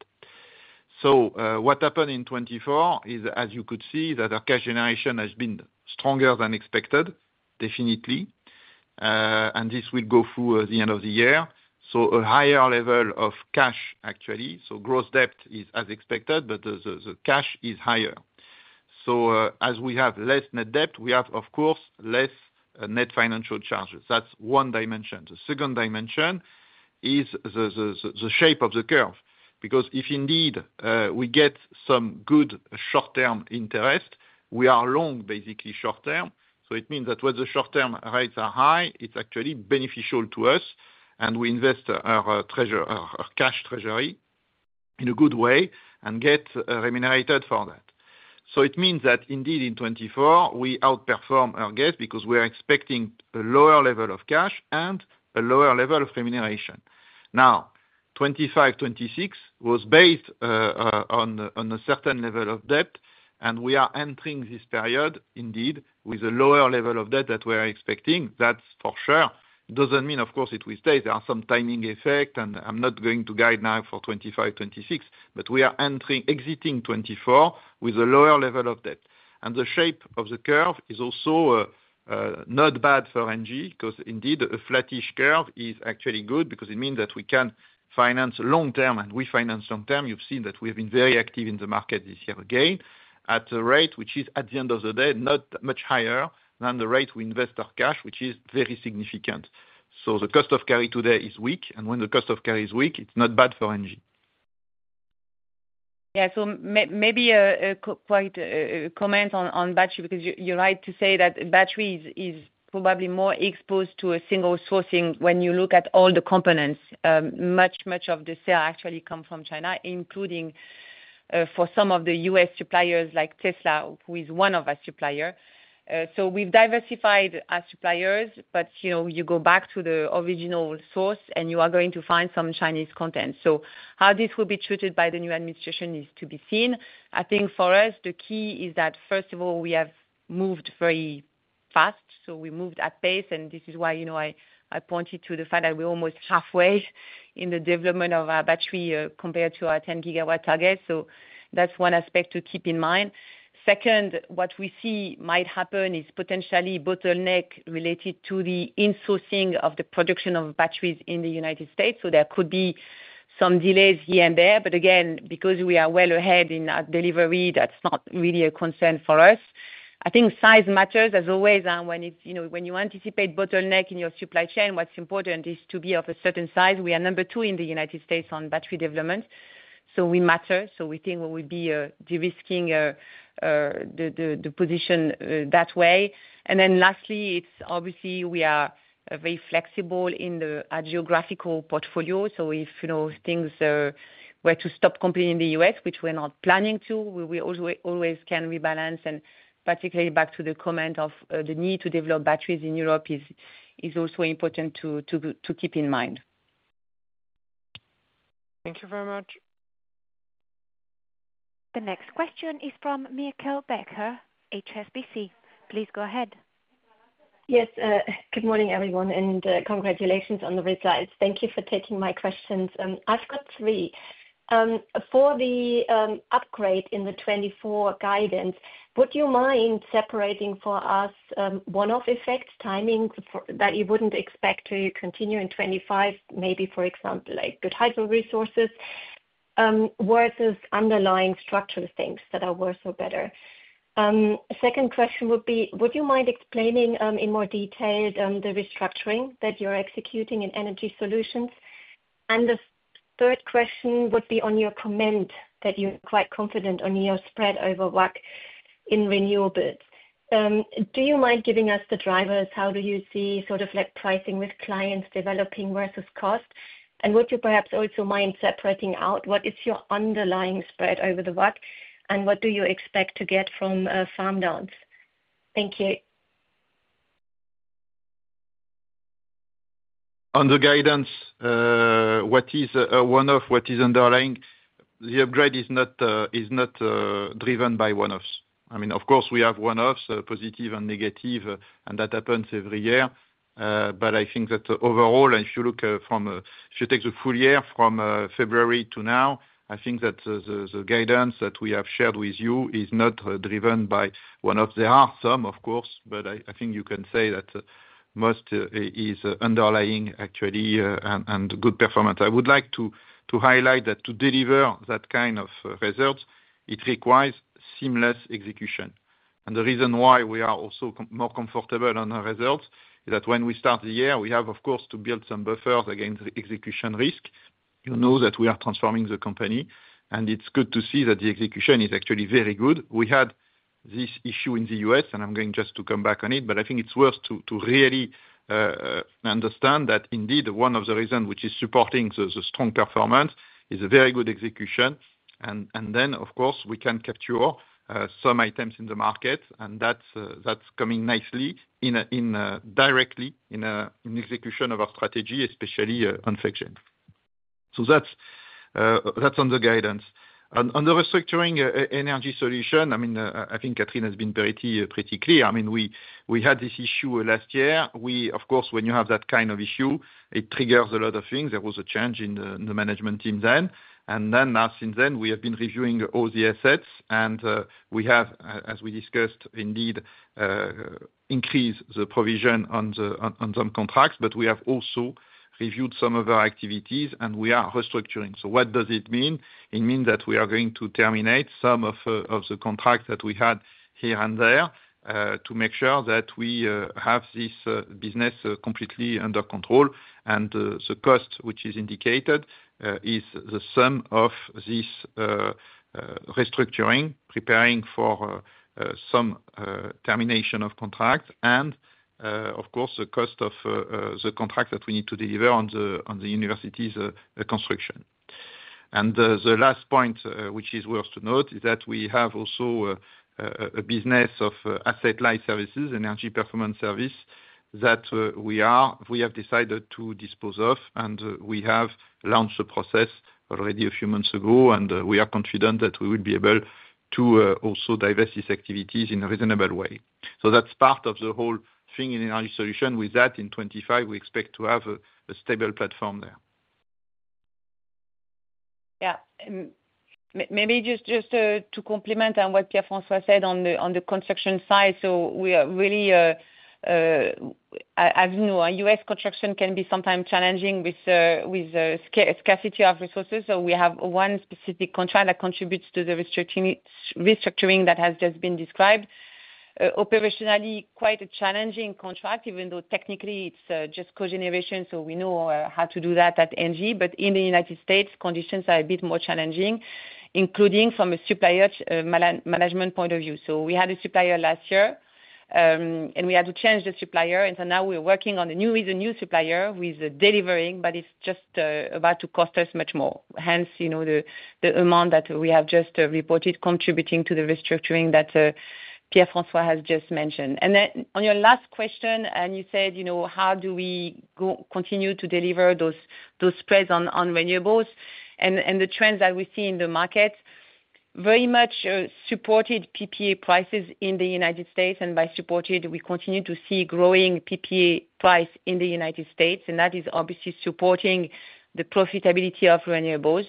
So what happened in 2024 is, as you could see, that our cash generation has been stronger than expected, definitely. And this will go through the end of the year. So a higher level of cash, actually. So gross debt is as expected, but the cash is higher. So as we have less net debt, we have, of course, less net financial charges. That's one dimension. The second dimension is the shape of the curve. Because if indeed we get some good short-term interest, we are long, basically short-term. So it means that when the short-term rates are high, it's actually beneficial to us. We invest our cash treasury in a good way and get remunerated for that. So it means that indeed in 2024, we outperform our guess because we are expecting a lower level of cash and a lower level of remuneration. Now, 2025, 2026 was based on a certain level of debt. And we are entering this period indeed with a lower level of debt that we are expecting. That's for sure. Doesn't mean, of course, it will stay. There are some timing effects. And I'm not going to guide now for 2025, 2026. But we are exiting 2024 with a lower level of debt. And the shape of the curve is also not bad for ENGIE because indeed a flattish curve is actually good because it means that we can finance long-term and we finance long-term. You've seen that we have been very active in the market this year again at a rate which is, at the end of the day, not much higher than the rate we invest our cash, which is very significant. So the cost of carry today is weak. And when the cost of carry is weak, it's not bad for ENGIE. Yeah, so maybe a quick comment on battery because you're right to say that battery is probably more exposed to a single sourcing when you look at all the components. Much, much of the supply actually comes from China, including for some of the US suppliers like Tesla, who is one of our suppliers. So we've diversified our suppliers, but you go back to the original source and you are going to find some Chinese content. So how this will be treated by the new administration is to be seen. I think for us, the key is that, first of all, we have moved very fast. So we moved at pace. And this is why I pointed to the fact that we're almost halfway in the development of our battery compared to our 10 GW target. So that's one aspect to keep in mind. Second, what we see might happen is potentially bottleneck related to the insourcing of the production of batteries in the United States. So there could be some delays here and there. But again, because we are well ahead in our delivery, that's not really a concern for us. I think size matters as always. When you anticipate bottleneck in your supply chain, what's important is to be of a certain size. We are number two in the United States on battery development. We matter. We think we will be de-risking the position that way. And then lastly, it's obviously we are very flexible in the geographical portfolio. If things were to stop completely in the U.S., which we're not planning to, we always can rebalance. And particularly back to the comment of the need to develop batteries in Europe is also important to keep in mind. Thank you very much. The next question is from Meike Becker, HSBC. Please go ahead. Yes, good morning, everyone. And congratulations on the results. Thank you for taking my questions. I've got three. For the upgrade in the 2024 guidance, would you mind separating for us one-off effects timing that you wouldn't expect to continue in 2025, maybe, for example, like the type of resources versus underlying structural things that are worse or better? Second question would be, would you mind explaining in more detail the restructuring that you're executing in Energy Solutions? And the third question would be on your comment that you're quite confident on your spread over WACC in renewables. Do you mind giving us the drivers? How do you see sort of pricing with clients developing versus cost? And would you perhaps also mind separating out what is your underlying spread over the WACC? And what do you expect to get from farm downs? Thank you. On the guidance, what is a one-off, what is underlying? The upgrade is not driven by one-offs. I mean, of course, we have one-offs, positive and negative, and that happens every year. But I think that overall, if you look from, if you take the full year from February to now, I think that the guidance that we have shared with you is not driven by one-offs. There are some, of course, but I think you can say that most is underlying actually and good performance. I would like to highlight that to deliver that kind of results, it requires seamless execution. And the reason why we are also more comfortable on the results is that when we start the year, we have, of course, to build some buffers against the execution risk. You know that we are transforming the company. And it's good to see that the execution is actually very good. We had this issue in the U.S., and I'm going just to come back on it, but I think it's worth to really understand that indeed one of the reasons which is supporting the strong performance is a very good execution. And then, of course, we can capture some items in the market, and that's coming nicely directly in execution of our strategy, especially unfettered. So that's on the guidance. On the restructuring energy solution, I mean, I think Catherine has been pretty clear. I mean, we had this issue last year. We, of course, when you have that kind of issue, it triggers a lot of things. There was a change in the management team then. And then since then, we have been reviewing all the assets. And we have, as we discussed, indeed increased the provision on some contracts. But we have also reviewed some of our activities, and we are restructuring. So what does it mean? It means that we are going to terminate some of the contracts that we had here and there to make sure that we have this business completely under control. And the cost, which is indicated, is the sum of this restructuring, preparing for some termination of contracts. And, of course, the cost of the contract that we need to deliver on the university's construction. And the last point, which is worth to note, is that we have also a business of asset-like services, energy performance service, that we have decided to dispose of. And we have launched the process already a few months ago. And we are confident that we will be able to also divest these activities in a reasonable way. So that's part of the whole thing in energy solution. With that, in 2025, we expect to have a stable platform there. Yeah. Maybe just to complement on what Pierre-François said on the construction side. So we are really, as you know, U.S. construction can be sometimes challenging with scarcity of resources. So we have one specific contract that contributes to the restructuring that has just been described. Operationally, quite a challenging contract, even though technically it's just cogeneration. So we know how to do that at ENGIE. But in the United States, conditions are a bit more challenging, including from a supplier management point of view. So we had a supplier last year, and we had to change the supplier. And so now we're working on a new supplier with delivering, but it's just about to cost us much more. Hence, the amount that we have just reported contributing to the restructuring that Pierre-François has just mentioned. And then on your last question, and you said, how do we continue to deliver those spreads on renewables? And the trends that we see in the market very much supported PPA prices in the United States. And by supported, we continue to see growing PPA prices in the United States. And that is obviously supporting the profitability of renewables.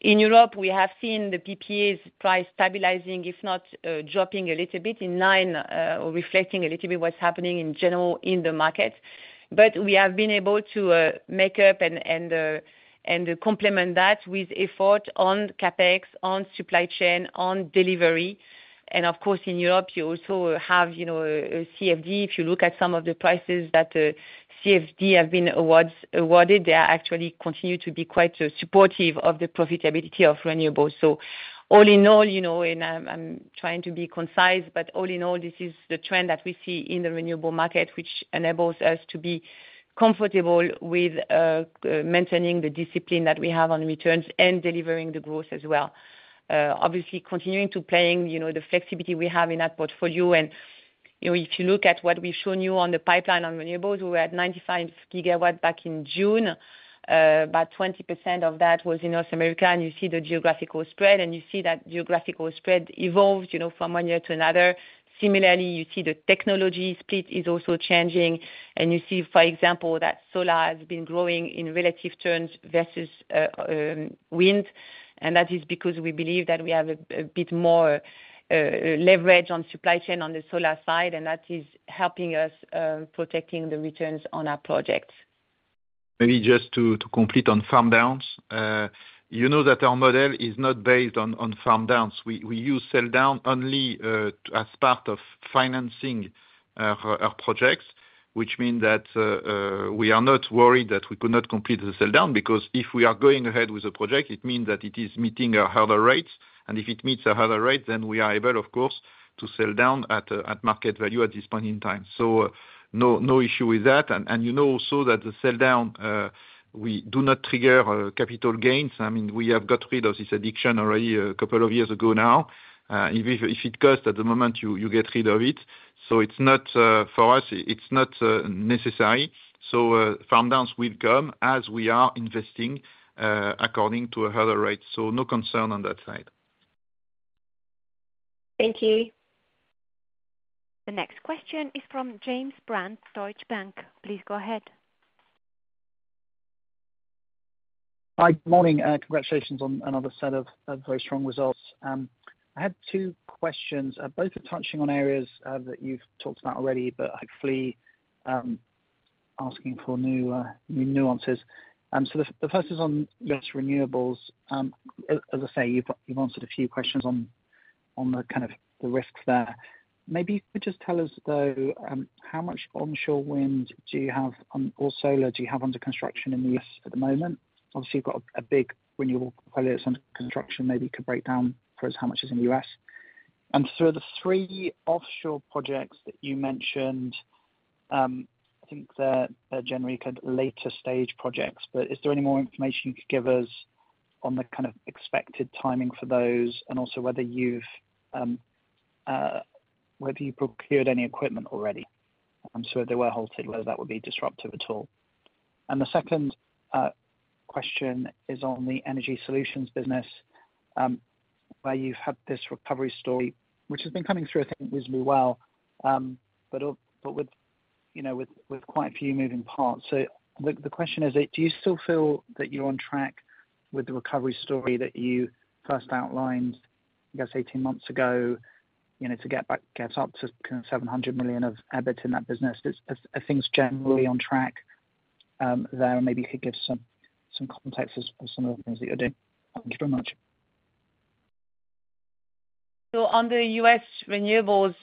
In Europe, we have seen the PPA prices stabilizing, if not dropping a little bit in line, reflecting a little bit what's happening in general in the market. But we have been able to make up and complement that with effort on CapEx, on supply chain, on delivery. And of course, in Europe, you also have CFD. If you look at some of the prices that CFD have been awarded, they are actually continuing to be quite supportive of the profitability of renewables. So all in all, and I'm trying to be concise, but all in all, this is the trend that we see in the renewable market, which enables us to be comfortable with maintaining the discipline that we have on returns and delivering the growth as well. Obviously, continuing to play the flexibility we have in that portfolio. And if you look at what we've shown you on the pipeline on renewables, we were at 95 GW back in June. About 20% of that was in North America. And you see the geographical spread. And you see that geographical spread evolves from one year to another. Similarly, you see the technology split is also changing. And you see, for example, that solar has been growing in relative terms versus wind. And that is because we believe that we have a bit more leverage on supply chain on the solar side. And that is helping us protecting the returns on our projects. Maybe just to complete on farm-downs, you know that our model is not based on farm-downs. We use sell-down only as part of financing our projects, which means that we are not worried that we could not complete the sell-down. Because if we are going ahead with a project, it means that it is meeting our hurdle rates. And if it meets our hurdle rates, then we are able, of course, to sell-down at market value at this point in time. So no issue with that. And you know also that the sell-down, we do not trigger capital gains. I mean, we have got rid of this addiction already a couple of years ago now. If it costs at the moment, you get rid of it. So for us, it's not necessary. So farm downs will come as we are investing according to a hurdle rate. So no concern on that side. Thank you. The next question is from James Brand, Deutsche Bank. Please go ahead. Hi, good morning. Congratulations on another set of very strong results. I had two questions. Both are touching on areas that you've talked about already, but hopefully asking for new nuances. So the first is on U.S. renewables. As I say, you've answered a few questions on the kind of risks there. Maybe you could just tell us, though, how much onshore wind do you have or solar do you have under construction in the U.S. at the moment? Obviously, you've got a big renewable portfolio that's under construction. Maybe you could break down for us how much is in the U.S. For the three offshore projects that you mentioned, I think they're generally kind of later stage projects. But is there any more information you could give us on the kind of expected timing for those and also whether you've procured any equipment already? So if they were halted, whether that would be disruptive at all. And the second question is on the Energy Solutions business, where you've had this recovery story, which has been coming through, I think, reasonably well, but with quite a few moving parts. So the question is, do you still feel that you're on track with the recovery story that you first outlined, I guess, 18 months ago to get up to 700 million of EBIT in that business? Are things generally on track there? And maybe you could give some context as to some of the things that you're doing. Thank you very much. So, on the U.S. renewables,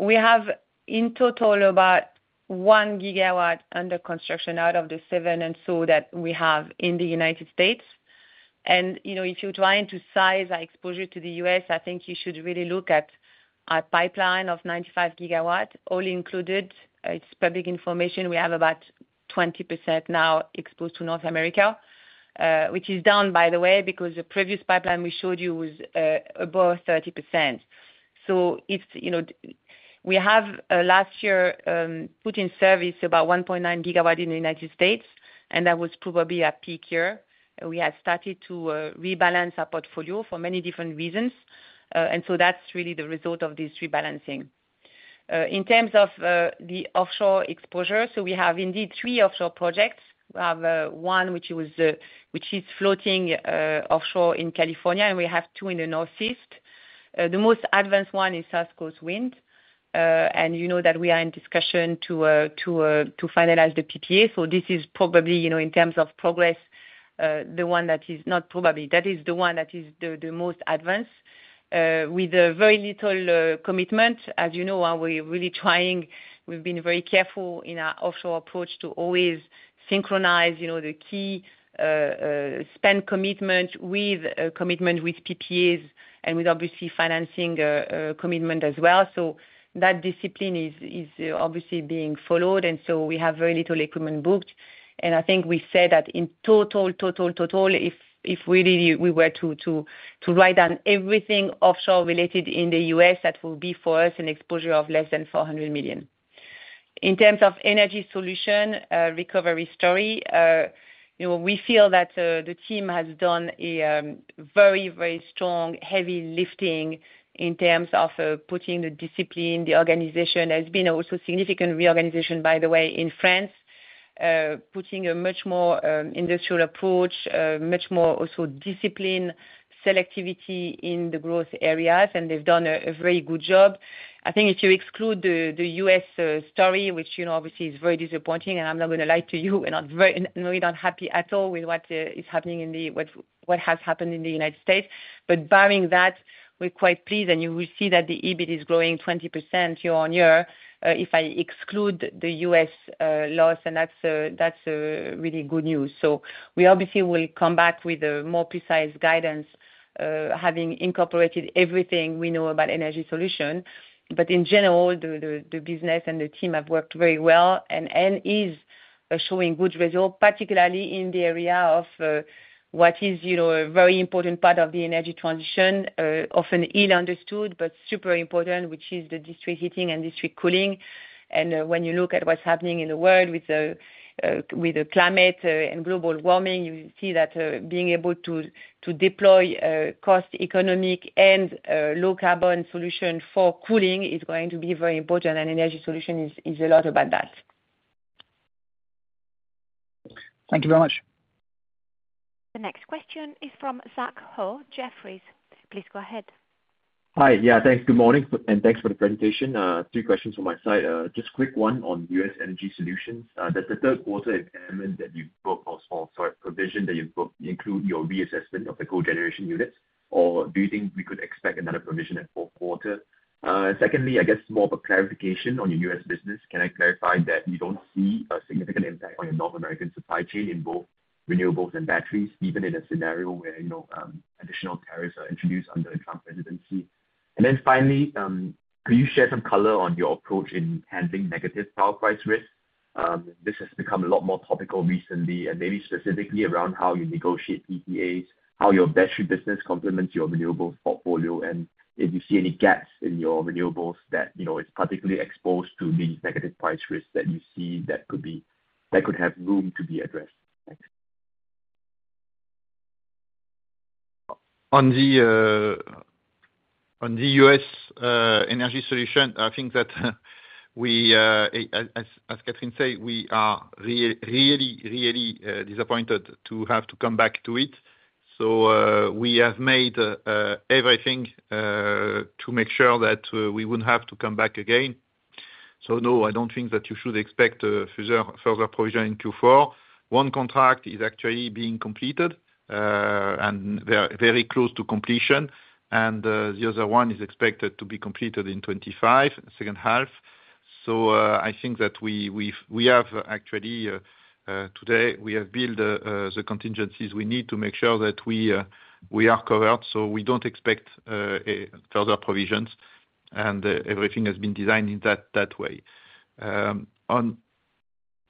we have in total about 1 GW under construction out of the seven and so that we have in the United States. And if you're trying to size our exposure to the U.S., I think you should really look at our pipeline of 95 GW, all included. It's public information. We have about 20% now exposed to North America, which is down, by the way, because the previous pipeline we showed you was above 30%. So we have last year put in service about 1.9 GW in the United States. And that was probably our peak year. We had started to rebalance our portfolio for many different reasons. And so that's really the result of this rebalancing. In terms of the offshore exposure, so we have indeed three offshore projects. We have one, which is floating offshore in California. And we have two in the Northeast. The most advanced one is South Coast Wind. And you know that we are in discussion to finalize the PPA. So this is probably, in terms of progress, the one that is not probably. That is the one that is the most advanced with very little commitment. As you know, we're really trying. We've been very careful in our offshore approach to always synchronize the key spend commitment with PPAs and with, obviously, financing commitment as well. So that discipline is obviously being followed. And so we have very little equipment booked. And I think we said that in total, if really we were to write down everything offshore related in the U.S., that will be for us an exposure of less than 400 million. In terms of energy solution recovery story, we feel that the team has done a very, very strong heavy lifting in terms of putting the discipline, the organization. There's been also significant reorganization, by the way, in France, putting a much more industrial approach, much more also discipline, selectivity in the growth areas. And they've done a very good job. I think if you exclude the U.S. story, which obviously is very disappointing, and I'm not going to lie to you, we're not happy at all with what is happening in what has happened in the United States. But barring that, we're quite pleased. And you will see that the EBIT is growing 20% year on year if I exclude the U.S. loss. And that's really good news. So we obviously will come back with more precise guidance, having incorporated everything we know about energy solution. But in general, the business and the team have worked very well and is showing good results, particularly in the area of what is a very important part of the energy transition, often ill understood, but super important, which is the district heating and district cooling. And when you look at what's happening in the world with the climate and global warming, you see that being able to deploy cost-economic and low-carbon solution for cooling is going to be very important. And energy solution is a lot about that. Thank you very much. The next question is from Zach Ho, Jefferies. Please go ahead. Hi. Yeah, thanks. Good morning. And thanks for the presentation. Three questions from my side. Just a quick one on U.S. Energy Solutions. Does the third quarter impairment that you provisioned that you include your reassessment of the cogeneration units, or do you think we could expect another provision at fourth quarter? Secondly, I guess more of a clarification on your U.S. business. Can I clarify that you don't see a significant impact on your North American supply chain in both renewables and batteries, even in a scenario where additional tariffs are introduced under Trump presidency? And then finally, could you share some color on your approach in handling negative power price risk? This has become a lot more topical recently, and maybe specifically around how you negotiate PPAs, how your battery business complements your renewables portfolio. And if you see any gaps in your renewables that it's particularly exposed to these negative price risks that you see that could have room to be addressed. On the US Energy Solutions, I think that, as Catherine said, we are really, really disappointed to have to come back to it. So we have made everything to make sure that we wouldn't have to come back again. So no, I don't think that you should expect further provision in Q4. One contract is actually being completed and very close to completion. And the other one is expected to be completed in 2025, second half. So I think that we have actually today, we have built the contingencies we need to make sure that we are covered. So we don't expect further provisions. And everything has been designed in that way.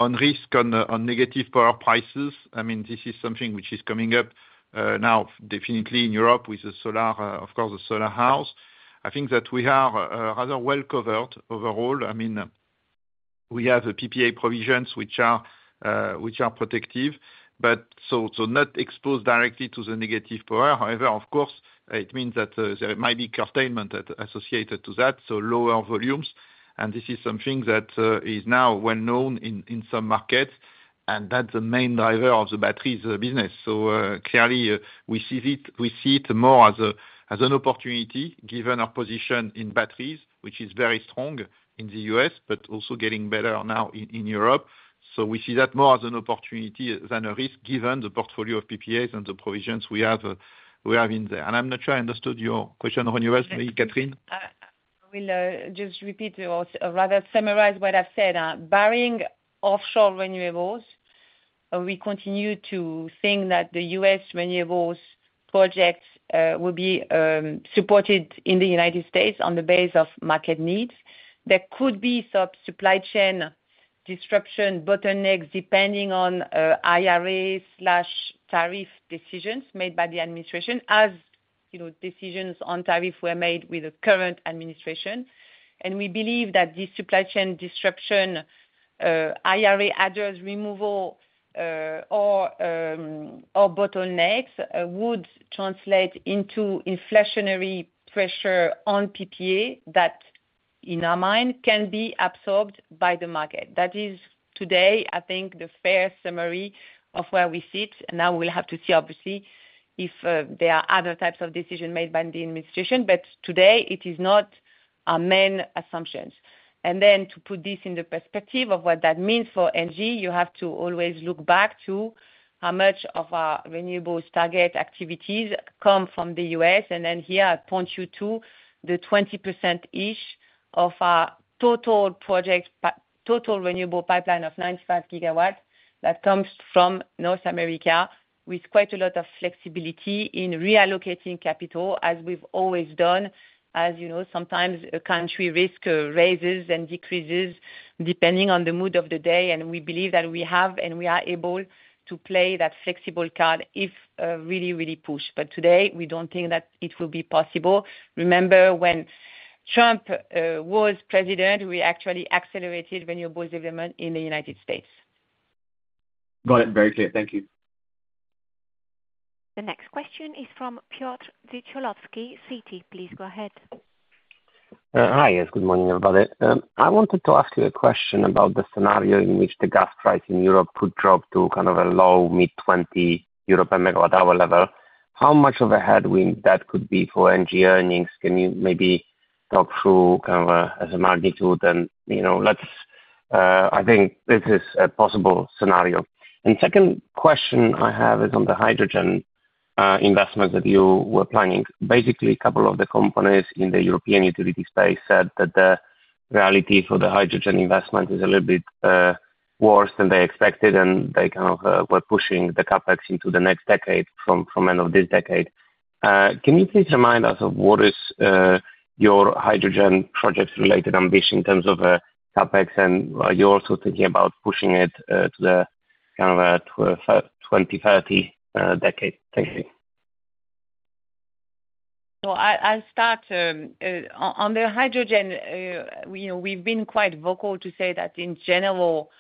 On risk, on negative power prices, I mean, this is something which is coming up now, definitely in Europe with the solar, of course, the solar hours. I think that we are rather well covered overall. I mean, we have PPA provisions, which are protective, but so not exposed directly to the negative power. However, of course, it means that there might be curtailment associated to that, so lower volumes. And this is something that is now well known in some markets. And that's the main driver of the batteries business. So clearly, we see it more as an opportunity given our position in batteries, which is very strong in the US, but also getting better now in Europe. So we see that more as an opportunity than a risk given the portfolio of PPAs and the provisions we have in there. And I'm not sure I understood your question on renewables, Catherine. I will just repeat or rather summarize what I've said. Barring offshore renewables, we continue to think that the U.S. renewables projects will be supported in the United States on the basis of market needs. There could be some supply chain disruption bottlenecks depending on IRA/tariff decisions made by the administration, as decisions on tariff were made with the current administration. And we believe that these supply chain disruptions, IRA address removal, or bottlenecks would translate into inflationary pressure on PPA that, in our mind, can be absorbed by the market. That is, today, I think, the fair summary of where we sit. And now we'll have to see, obviously, if there are other types of decisions made by the administration. But today, it is not our main assumptions. To put this in the perspective of what that means for energy, you have to always look back to how much of our renewables target activities come from the U.S. And then here, I point you to the 20%-ish of our total project, total renewable pipeline of 95 GW that comes from North America with quite a lot of flexibility in reallocating capital, as we've always done. As you know, sometimes a country risk rises and decreases depending on the mood of the day. And we believe that we have and we are able to play that flexible card if really, really pushed. But today, we don't think that it will be possible. Remember, when Trump was president, we actually accelerated renewables development in the United States. Got it. Very clear. Thank you. The next question is from Piotr Dzieciolowski, Citi. Please go ahead. Hi, yes. Good morning, everybody. I wanted to ask you a question about the scenario in which the gas price in Europe could drop to kind of a low mid-20 European megawatt-hour level. How much of a headwind that could be for energy earnings? Can you maybe talk through kind of as a magnitude? And I think this is a possible scenario. And second question I have is on the hydrogen investments that you were planning. Basically, a couple of the companies in the European utility space said that the reality for the hydrogen investment is a little bit worse than they expected. And they kind of were pushing the CapEx into the next decade, from end of this decade. Can you please remind us of what is your hydrogen project-related ambition in terms of CapEx? And are you also thinking about pushing it to kind of a 2030 decade? Thank you. I'll start. On the hydrogen, we've been quite vocal to say that, in general,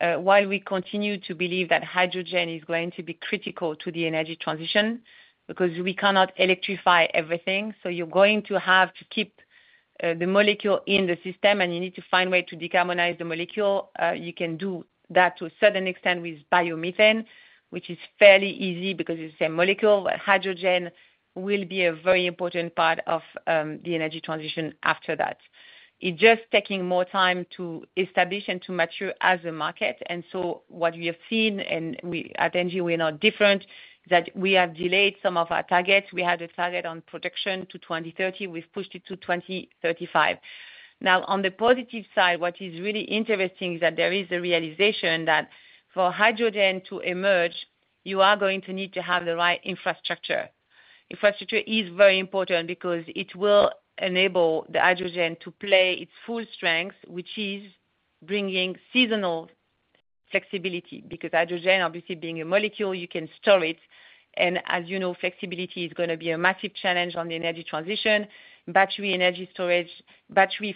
while we continue to believe that hydrogen is going to be critical to the energy transition because we cannot electrify everything. So you're going to have to keep the molecule in the system. And you need to find a way to decarbonize the molecule. You can do that to a certain extent with biomethane, which is fairly easy because it's a molecule. But hydrogen will be a very important part of the energy transition after that. It's just taking more time to establish and to mature as a market. And so what we have seen, and at ENGIE, we're not different, is that we have delayed some of our targets. We had a target on production to 2030. We've pushed it to 2035. Now, on the positive side, what is really interesting is that there is a realization that for hydrogen to emerge, you are going to need to have the right infrastructure. Infrastructure is very important because it will enable the hydrogen to play its full strength, which is bringing seasonal flexibility. Because hydrogen, obviously, being a molecule, you can store it. And as you know, flexibility is going to be a massive challenge on the energy transition. Battery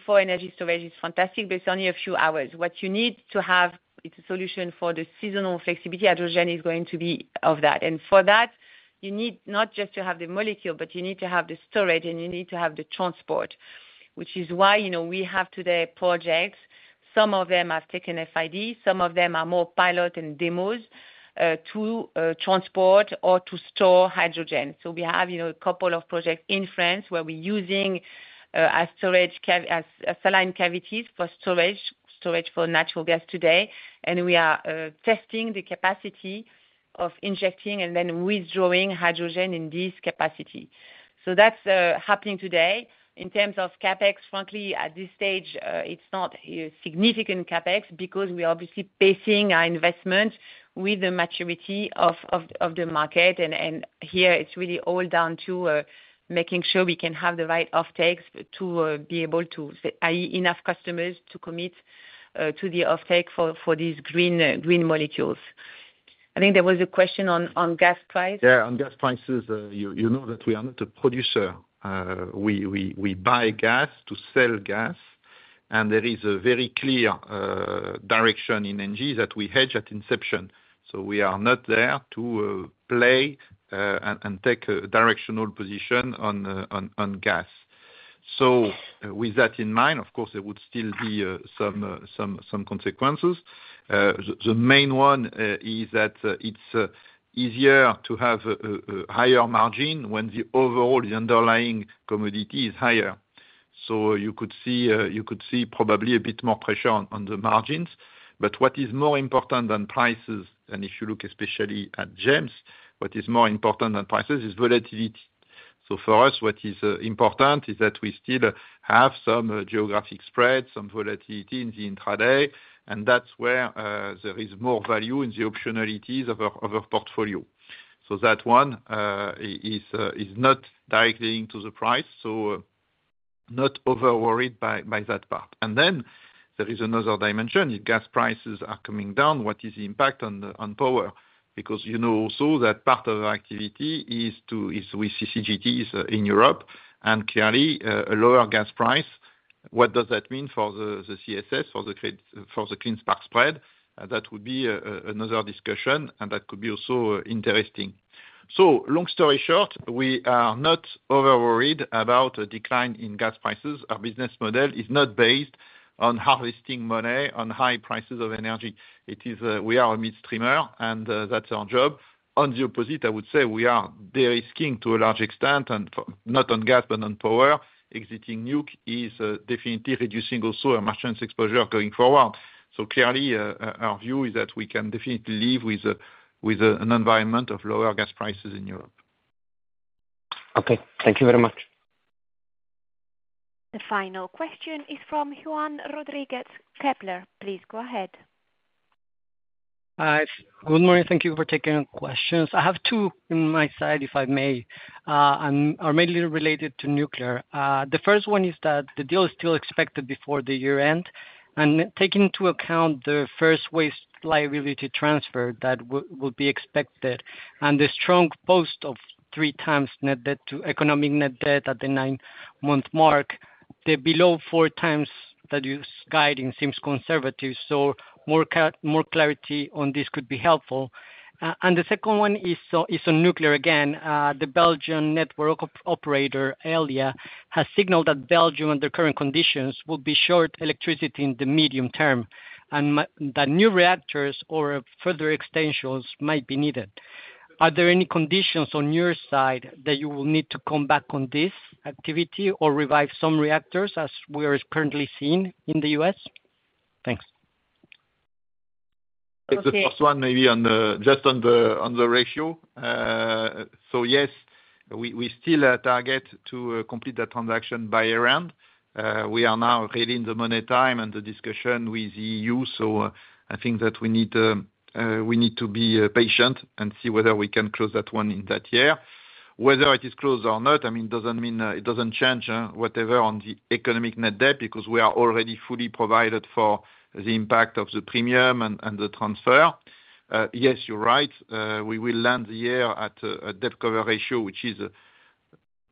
for energy storage is fantastic, but it's only a few hours. What you need to have is a solution for the seasonal flexibility. Hydrogen is going to be of that. And for that, you need not just to have the molecule, but you need to have the storage. And you need to have the transport, which is why we have today projects. Some of them have taken FID. Some of them are more pilot and demos to transport or to store hydrogen, so we have a couple of projects in France where we're using saline cavities for storage for natural gas today, and we are testing the capacity of injecting and then withdrawing hydrogen in this capacity, so that's happening today. In terms of CapEx, frankly, at this stage, it's not a significant CapEx because we're obviously pacing our investment with the maturity of the market, and here, it's really all down to making sure we can have the right offtakes to be able to enough customers to commit to the offtake for these green molecules. I think there was a question on gas price. Yeah, on gas prices, you know that we are not a producer. We buy gas to sell gas, and there is a very clear direction in ENGIE that we hedge at inception. So we are not there to play and take a directional position on gas. So with that in mind, of course, there would still be some consequences. The main one is that it's easier to have a higher margin when the overall underlying commodity is higher. So you could see probably a bit more pressure on the margins. But what is more important than prices, and if you look especially at GEMS, what is more important than prices is volatility. So for us, what is important is that we still have some geographic spread, some volatility in the intraday. And that's where there is more value in the optionalities of our portfolio. So that one is not directly linked to the price. So not overworried by that part. And then there is another dimension. If gas prices are coming down, what is the impact on power? Because you know also that part of our activity is with CCGTs in Europe, and clearly, a lower gas price, what does that mean for the CSS, for the clean spark spread? That would be another discussion, and that could be also interesting, so long story short, we are not overworried about a decline in gas prices. Our business model is not based on harvesting money on high prices of energy. We are a midstreamer, and that's our job. On the opposite, I would say we are de-risking to a large extent, and not on gas, but on power. Exiting nuke is definitely reducing also our merchants' exposure going forward, so clearly, our view is that we can definitely live with an environment of lower gas prices in Europe. Okay. Thank you very much. The final question is from Juan Rodriguez Kepler. Please go ahead. Good morning. Thank you for taking our questions. I have two on my side, if I may, and they are mainly related to nuclear. The first one is that the deal is still expected before the year-end. And taking into account the first waste liability transfer that will be expected and the strong position of three times economic net debt to EBITDA at the nine-month mark, the below four times that you are guiding seems conservative. So more clarity on this could be helpful. And the second one is on nuclear. Again, the Belgian network operator, Elia, has signaled that Belgium, under current conditions, will be short of electricity in the medium term. And that new reactors or further extensions might be needed. Are there any considerations on your side that you will need to come back to this activity or revive some reactors as we are currently seeing in the U.S.? Thanks. The first one, maybe just on the ratio. So yes, we still target to complete that transaction by year-end. We are now really in the meantime and the discussion with the EU. So I think that we need to be patient and see whether we can close that one in that year. Whether it is closed or not, I mean, it doesn't mean it doesn't change whatever on the economic net debt because we are already fully provided for the impact of the premium and the transfer. Yes, you're right. We will land the year at a debt cover ratio, which is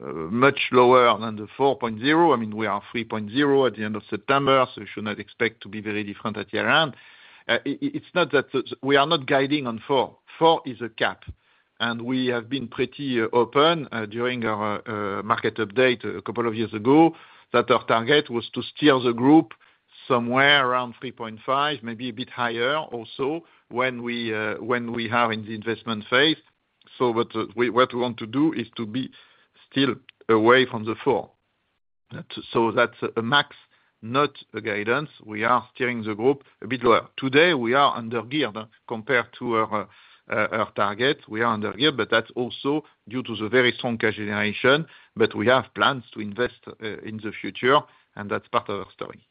much lower than the 4.0. I mean, we are 3.0 at the end of September. So you should not expect to be very different at year-end. It's not that we are not guiding on 4. 4 is a cap. We have been pretty open during our market update a couple of years ago that our target was to steer the group somewhere around 3.5, maybe a bit higher also when we are in the investment phase. What we want to do is to be still away from the 4. That's a max, not a guidance. We are steering the group a bit lower. Today, we are undergeared compared to our target. We are undergeared, but that's also due to the very strong cash generation. We have plans to invest in the future. That's part of our story.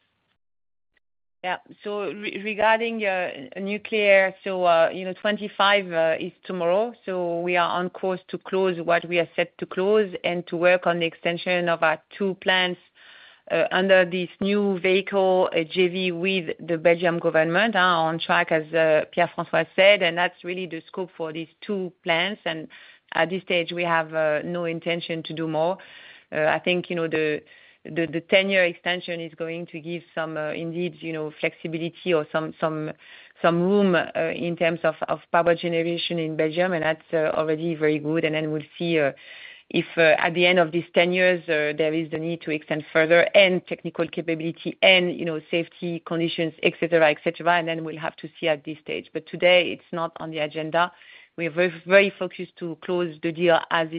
Yeah. Regarding nuclear, 2025 is tomorrow. We are on course to close what we are set to close and to work on the extension of our two plants under this new vehicle, JV, with the Belgian government on track, as Pierre-François said. And that's really the scope for these two plants. And at this stage, we have no intention to do more. I think the 10-year extension is going to give some indeed flexibility or some room in terms of power generation in Belgium. And that's already very good. And then we'll see if at the end of these 10 years, there is the need to extend further and technical capability and safety conditions, etc., etc. And then we'll have to see at this stage. But today, it's not on the agenda. We are very focused to close the deal as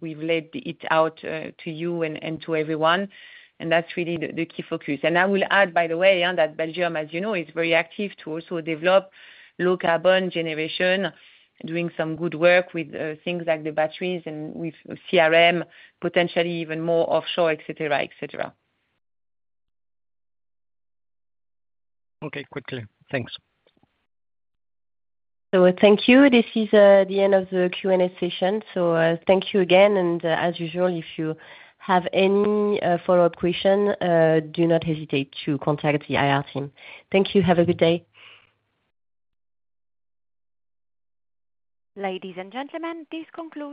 we've laid it out to you and to everyone. And that's really the key focus. And I will add, by the way, that Belgium, as you know, is very active to also develop low-carbon generation, doing some good work with things like the batteries and with CRM, potentially even more offshore, etc., etc. Okay. Quickly. Thanks. So thank you. This is the end of the Q&A session. So thank you again. And as usual, if you have any follow-up question, do not hesitate to contact the IR team. Thank you. Have a good day. Ladies and gentlemen, please conclude.